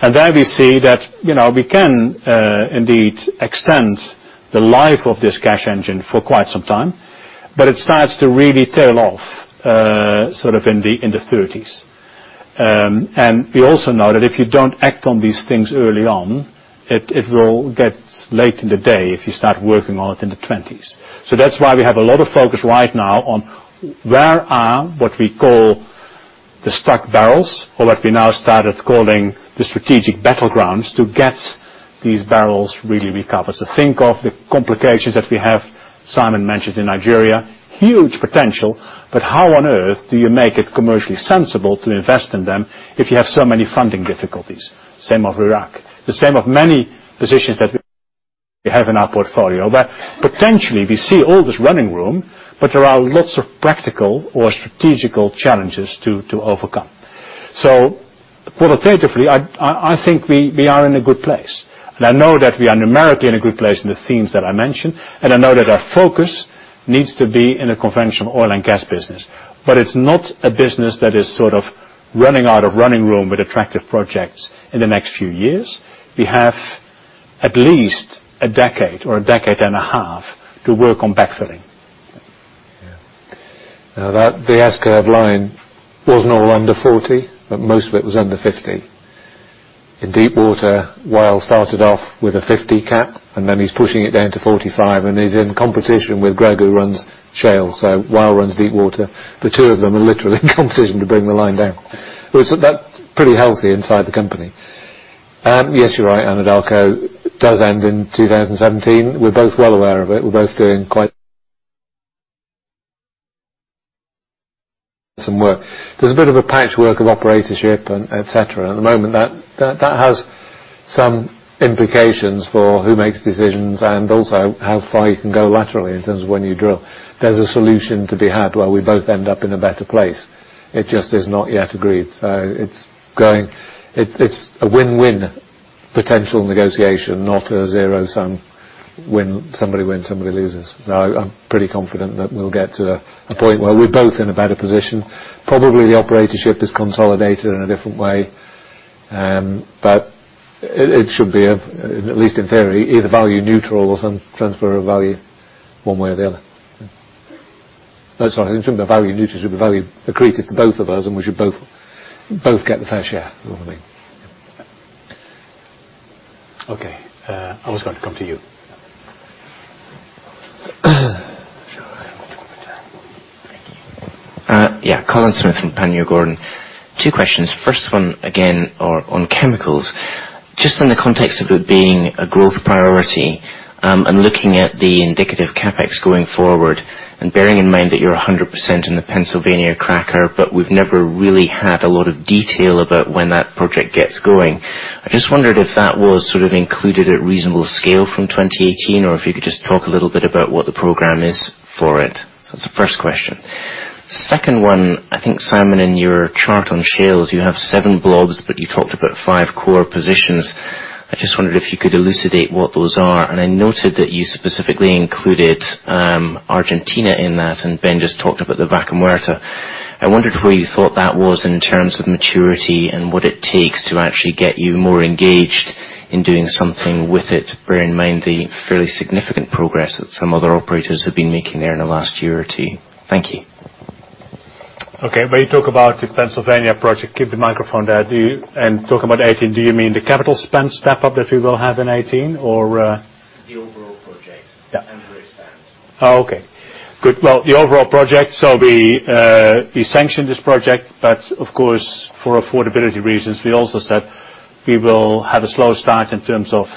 There we see that we can indeed extend the life of this cash engine for quite some time. It starts to really tail off sort of in the 30s. We also know that if you don't act on these things early on, it will get late in the day if you start working on it in the 20s. That's why we have a lot of focus right now on where are what we call the stuck barrels, or what we now started calling the strategic battlegrounds, to get these barrels really recovered. Think of the complications that we have, Simon mentioned in Nigeria. Huge potential, but how on earth do you make it commercially sensible to invest in them if you have so many funding difficulties? Same of Iraq. The same of many positions that we have in our portfolio, where potentially we see all this running room, but there are lots of practical or strategical challenges to overcome. Qualitatively, I think we are in a good place, I know that we are numerically in a good place in the themes that I mentioned, I know that our focus needs to be in the conventional oil and gas business. It's not a business that is sort of running out of running room with attractive projects in the next few years. We have at least a decade or a decade and a half to work on backfilling. Yeah. The S-curve line wasn't all under 40, but most of it was under 50. In deepwater, Wael started off with a 50 cap, and then he's pushing it down to 45, and he's in competition with Greg, who runs shale. Wael runs deepwater. The two of them are literally in competition to bring the line down. That's pretty healthy inside the company. Yes, you're right, Anadarko does end in 2017. We're both well aware of it. We're both doing quite some work. There's a bit of a patchwork of operatorship, et cetera, at the moment. That has some implications for who makes decisions and also how far you can go laterally in terms of when you drill. There's a solution to be had where we both end up in a better place. It just is not yet agreed. It's a win-win potential negotiation, not a zero-sum somebody wins, somebody loses. I'm pretty confident that we'll get to a point where we're both in a better position. Probably the operatorship is consolidated in a different way. It should be, at least in theory, either value neutral or some transfer of value one way or the other. That's why I said in terms of value neutral, it should be value accretive to both of us, and we should both get a fair share is what I mean. Okay. I was going to come to you. Sure. Thank you. Yeah, Colin Smith from Panmure Gordon. Two questions. First one, again, on chemicals. Just in the context of it being a growth priority, and looking at the indicative CapEx going forward, and bearing in mind that you're 100% in the Pennsylvania cracker, but we've never really had a lot of detail about when that project gets going. I just wondered if that was sort of included at reasonable scale from 2018, or if you could just talk a little bit about what the program is for it. That's the first question. Second one, I think, Simon, in your chart on shales, you have seven blobs, but you talked about five core positions. I just wondered if you could elucidate what those are. And I noted that you specifically included Argentina in that, and Ben just talked about the Vaca Muerta. I wondered where you thought that was in terms of maturity and what it takes to actually get you more engaged in doing something with it, bearing in mind the fairly significant progress that some other operators have been making there in the last year or two. Thank you. Okay. When you talk about the Pennsylvania project, keep the microphone there. Talking about 2018, do you mean the capital spend step up that we will have in 2018? Or The overall project. Yeah. Where it stands. The overall project, we sanctioned this project, of course, for affordability reasons, we also said we will have a slow start in terms of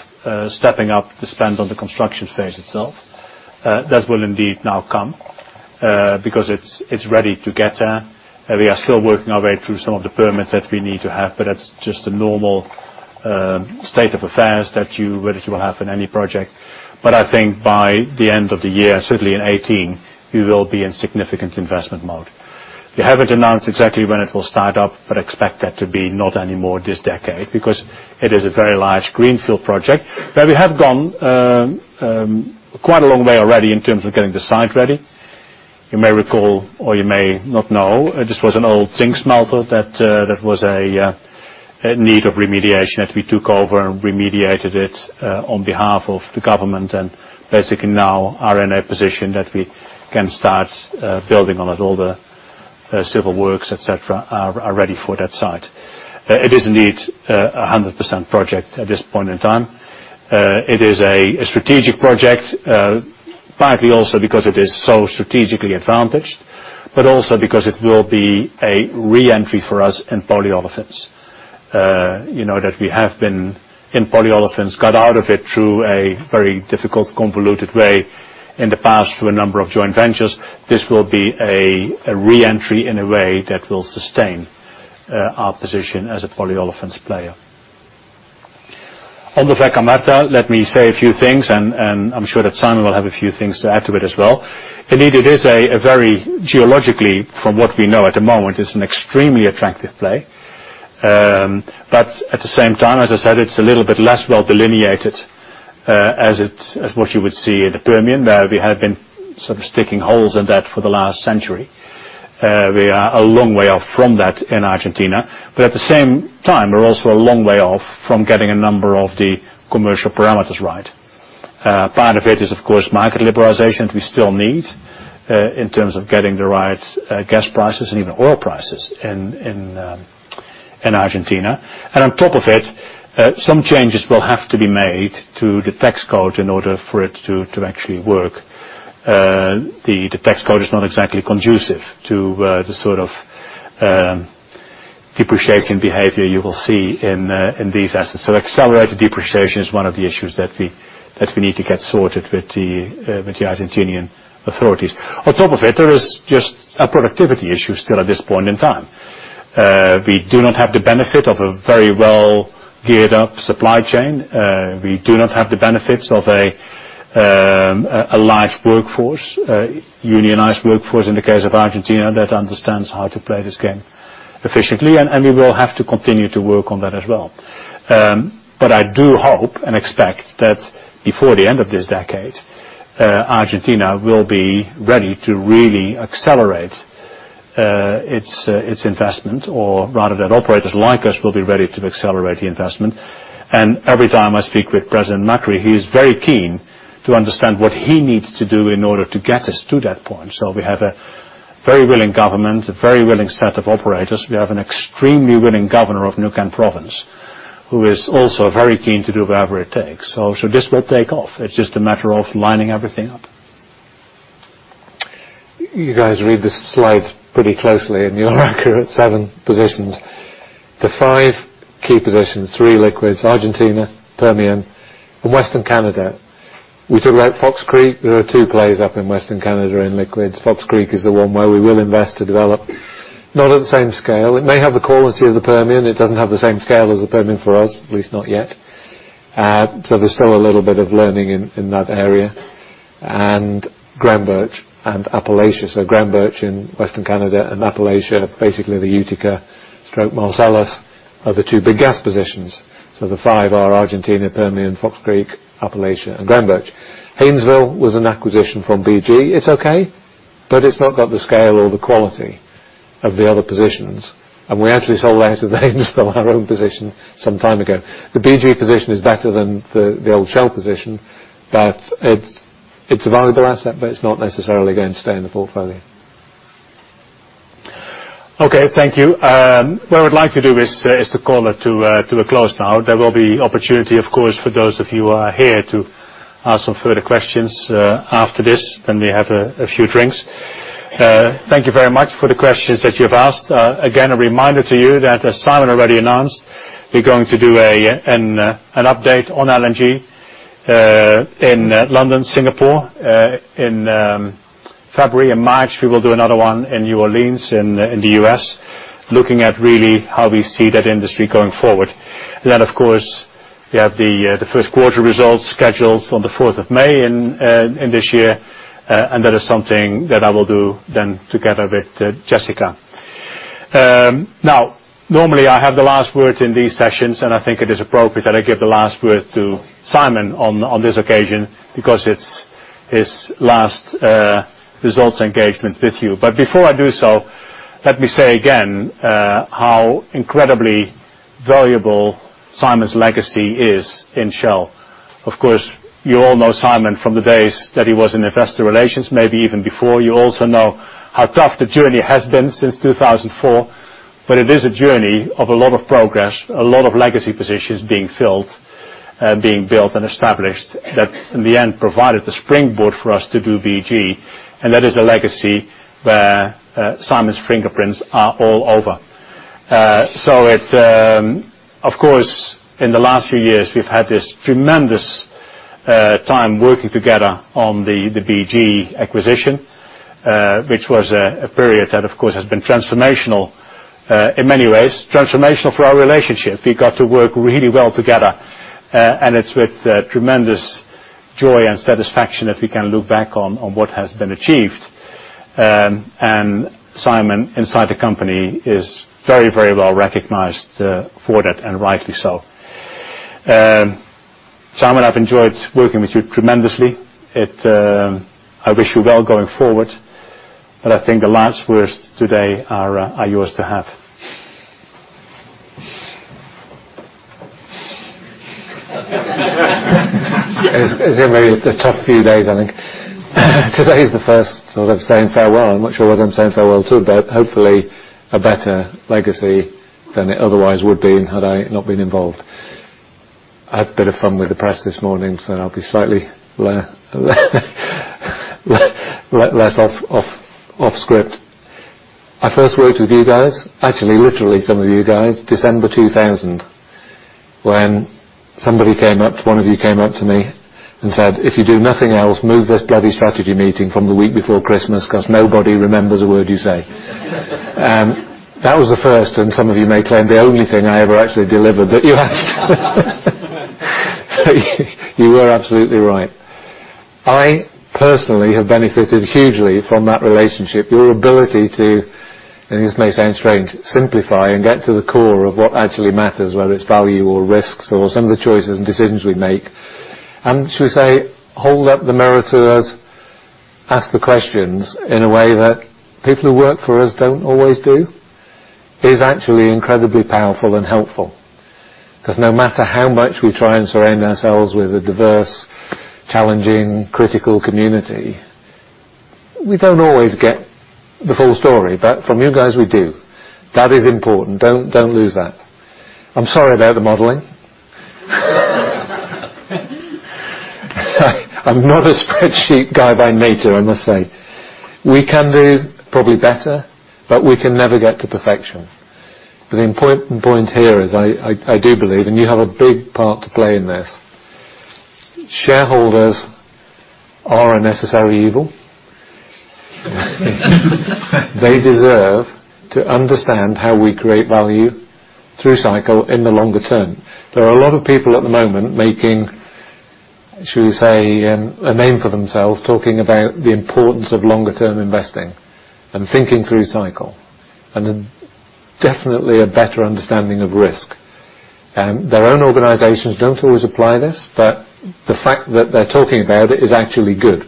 stepping up the spend on the construction phase itself. That will indeed now come, because it's ready to get there. We are still working our way through some of the permits that we need to have, that's just a normal state of affairs that you will have in any project. I think by the end of the year, certainly in 2018, we will be in significant investment mode. We haven't announced exactly when it will start up, expect that to be not any more this decade, because it is a very large greenfield project. We have gone quite a long way already in terms of getting the site ready. You may recall, or you may not know, this was an old zinc smelter that was in need of remediation that we took over and remediated it on behalf of the government, basically now are in a position that we can start building on it. All the civil works, et cetera, are ready for that site. It is indeed a 100% project at this point in time. It is a strategic project, partly also because it is so strategically advantaged, also because it will be a re-entry for us in polyolefins. You know that we have been in polyolefins, got out of it through a very difficult, convoluted way in the past through a number of joint ventures. This will be a re-entry in a way that will sustain our position as a polyolefins player. On the Vaca Muerta, let me say a few things, I'm sure that Simon will have a few things to add to it as well. Indeed, it is a very, geologically, from what we know at the moment, it's an extremely attractive play. At the same time, as I said, it's a little bit less well delineated, as what you would see in the Permian, where we have been sort of sticking holes in that for the last century. We are a long way off from that in Argentina. At the same time, we're also a long way off from getting a number of the commercial parameters right. Part of it is, of course, market liberalization, we still need, in terms of getting the right gas prices and even oil prices in Argentina. On top of it, some changes will have to be made to the tax code in order for it to actually work. The tax code is not exactly conducive to the sort of depreciating behavior you will see in these assets. Accelerated depreciation is one of the issues that we need to get sorted with the Argentinian authorities. On top of it, there is just a productivity issue still at this point in time. We do not have the benefit of a very well geared up supply chain. We do not have the benefits of a live workforce, a unionized workforce in the case of Argentina that understands how to play this game efficiently. We will have to continue to work on that as well. I do hope and expect that before the end of this decade, Argentina will be ready to really accelerate its investment, or rather that operators like us will be ready to accelerate the investment. Every time I speak with President Macri, he is very keen to understand what he needs to do in order to get us to that point. We have a very willing government, a very willing set of operators. We have an extremely willing governor of Neuquén Province, who is also very keen to do whatever it takes. This will take off. It's just a matter of lining everything up. You guys read the slides pretty closely, you are accurate, seven positions. The five key positions, three liquids, Argentina, Permian, and Western Canada. We talk about Fox Creek. There are two plays up in Western Canada in liquids. Fox Creek is the one where we will invest to develop. Not at the same scale. It may have the quality of the Permian. It doesn't have the same scale as the Permian for us, at least not yet. There's still a little bit of learning in that area. Groundbirch and Appalachia. Groundbirch in Western Canada and Appalachia, basically the Utica-Marcellus, are the two big gas positions. The five are Argentina, Permian, Fox Creek, Appalachia, and Groundbirch. Haynesville was an acquisition from BG. It's okay, but it's not got the scale or the quality of the other positions. We actually sold out of Haynesville, our own position some time ago. The BG position is better than the old Shell position, it's a valuable asset, it's not necessarily going to stay in the portfolio. Okay, thank you. What I would like to do is to call it to a close now. There will be opportunity, of course, for those of you who are here to ask some further questions after this when we have a few drinks. Thank you very much for the questions that you've asked. Again, a reminder to you that as Simon already announced, we're going to do an update on LNG in London, Singapore. In February and March, we will do another one in New Orleans, in the U.S., looking at really how we see that industry going forward. Of course, we have the first quarter results scheduled on the 4th of May in this year. That is something that I will do then together with Jessica. Normally I have the last word in these sessions, and I think it is appropriate that I give the last word to Simon on this occasion because it's his last results engagement with you. Before I do so, let me say again, how incredibly valuable Simon's legacy is in Shell. Of course, you all know Simon from the days that he was in investor relations, maybe even before. You also know how tough the journey has been since 2004, but it is a journey of a lot of progress, a lot of legacy positions being filled, being built, and established that in the end provided the springboard for us to do BG. That is a legacy where Simon's fingerprints are all over. Of course, in the last few years, we've had this tremendous time working together on the BG acquisition, which was a period that, of course, has been transformational in many ways. Transformational for our relationship. We got to work really well together, and it's with tremendous joy and satisfaction that we can look back on what has been achieved. Simon inside the company is very, very well recognized for that, and rightly so. Simon, I've enjoyed working with you tremendously. I wish you well going forward, but I think the last words today are yours to have. It's going to be a tough few days, I think. Today is the first sort of saying farewell. I'm not sure whether I'm saying farewell to, but hopefully a better legacy than it otherwise would have been had I not been involved. I had a bit of fun with the press this morning, I'll be slightly less off script. I first worked with you guys, actually, literally some of you guys, December 2000, when one of you came up to me and said, "If you do nothing else, move this bloody strategy meeting from the week before Christmas because nobody remembers a word you say." That was the first, and some of you may claim, the only thing I ever actually delivered that you asked. You were absolutely right. I personally have benefited hugely from that relationship. Your ability to, and this may sound strange, simplify and get to the core of what actually matters, whether it's value or risks or some of the choices and decisions we make. Should we say, hold up the mirror to us, ask the questions in a way that people who work for us don't always do, is actually incredibly powerful and helpful. No matter how much we try and surround ourselves with a diverse, challenging, critical community, we don't always get the full story. From you guys, we do. That is important. Don't lose that. I'm sorry about the modeling. I'm not a spreadsheet guy by nature, I must say. We can do probably better, but we can never get to perfection. The important point here is I do believe, and you have a big part to play in this, shareholders are a necessary evil. They deserve to understand how we create value through cycle in the longer term. There are a lot of people at the moment making, should we say, a name for themselves, talking about the importance of longer term investing and thinking through cycle, and then definitely a better understanding of risk. Their own organizations don't always apply this, but the fact that they're talking about it is actually good,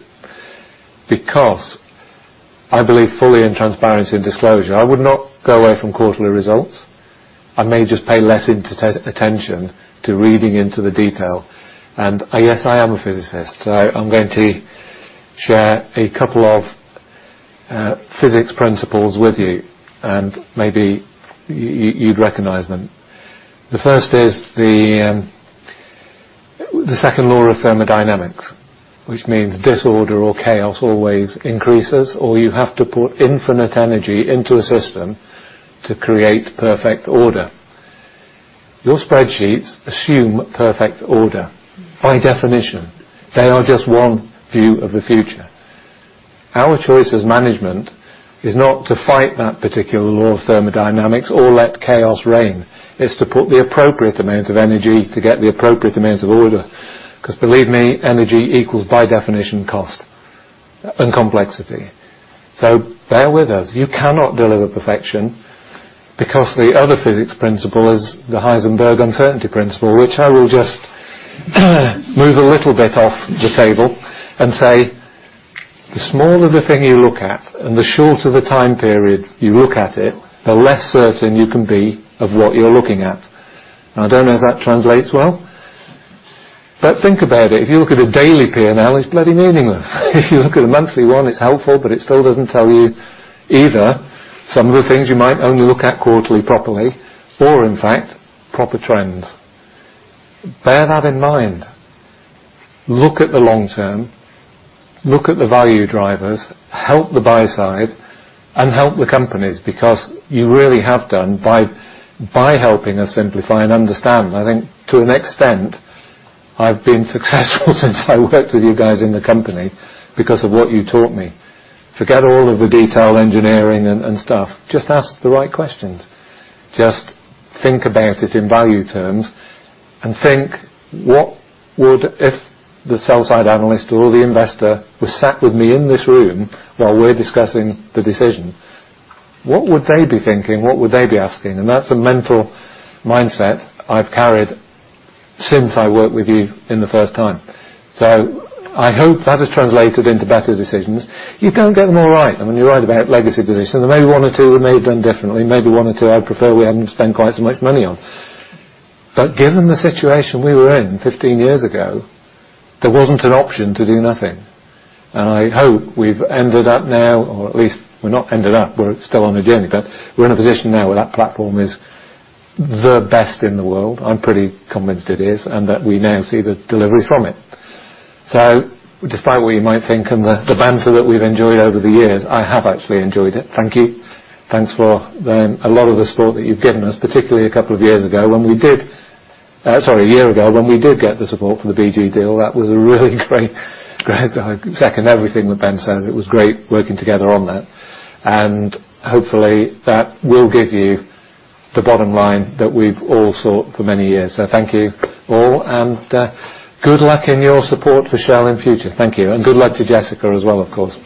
because I believe fully in transparency and disclosure. I would not go away from quarterly results. I may just pay less attention to reading into the detail. Yes, I am a physicist. I'm going to share a couple of physics principles with you, and maybe you'd recognize them. The first is the second law of thermodynamics, which means disorder or chaos always increases, or you have to put infinite energy into a system to create perfect order. Your spreadsheets assume perfect order. By definition, they are just one view of the future. Our choice as management is not to fight that particular second law of thermodynamics or let chaos reign. It's to put the appropriate amount of energy to get the appropriate amount of order, because believe me, energy equals, by definition, cost and complexity. Bear with us. You cannot deliver perfection because the other physics principle is the Heisenberg uncertainty principle, which I will just move a little bit off the table and say, the smaller the thing you look at, and the shorter the time period you look at it, the less certain you can be of what you're looking at. I don't know if that translates well, think about it. If you look at a daily P&L, it's bloody meaningless. If you look at a monthly one, it's helpful, but it still doesn't tell you either some of the things you might only look at quarterly properly, or in fact, proper trends. Bear that in mind. Look at the long term, look at the value drivers, help the buy side, and help the companies, because you really have done by helping us simplify and understand. I think to an extent, I've been successful since I worked with you guys in the company because of what you taught me. Forget all of the detail engineering and stuff. Just ask the right questions. Just think about it in value terms and think, what would if the sell side analyst or the investor was sat with me in this room while we're discussing the decision? What would they be thinking? What would they be asking? That's a mental mindset I've carried since I worked with you in the first time. I hope that has translated into better decisions. You don't get them all right. I mean, you're right about legacy positions. There may be one or two we may have done differently, maybe one or two I'd prefer we hadn't spent quite so much money on. Given the situation we were in 15 years ago, there wasn't an option to do nothing. I hope we've ended up now, or at least we're not ended up, we're still on a journey, but we're in a position now where that platform is the best in the world. I'm pretty convinced it is, and that we now see the delivery from it. Despite what you might think and the banter that we've enjoyed over the years, I have actually enjoyed it. Thank you. Thanks for a lot of the support that you've given us, particularly a couple of years ago Sorry, a year ago when we did get the support for the BG deal. That was a really great. I second everything that Ben says. It was great working together on that. Hopefully, that will give you the bottom line that we've all sought for many years. Thank you all, and good luck in your support for Shell in future. Thank you, and good luck to Jessica as well, of course.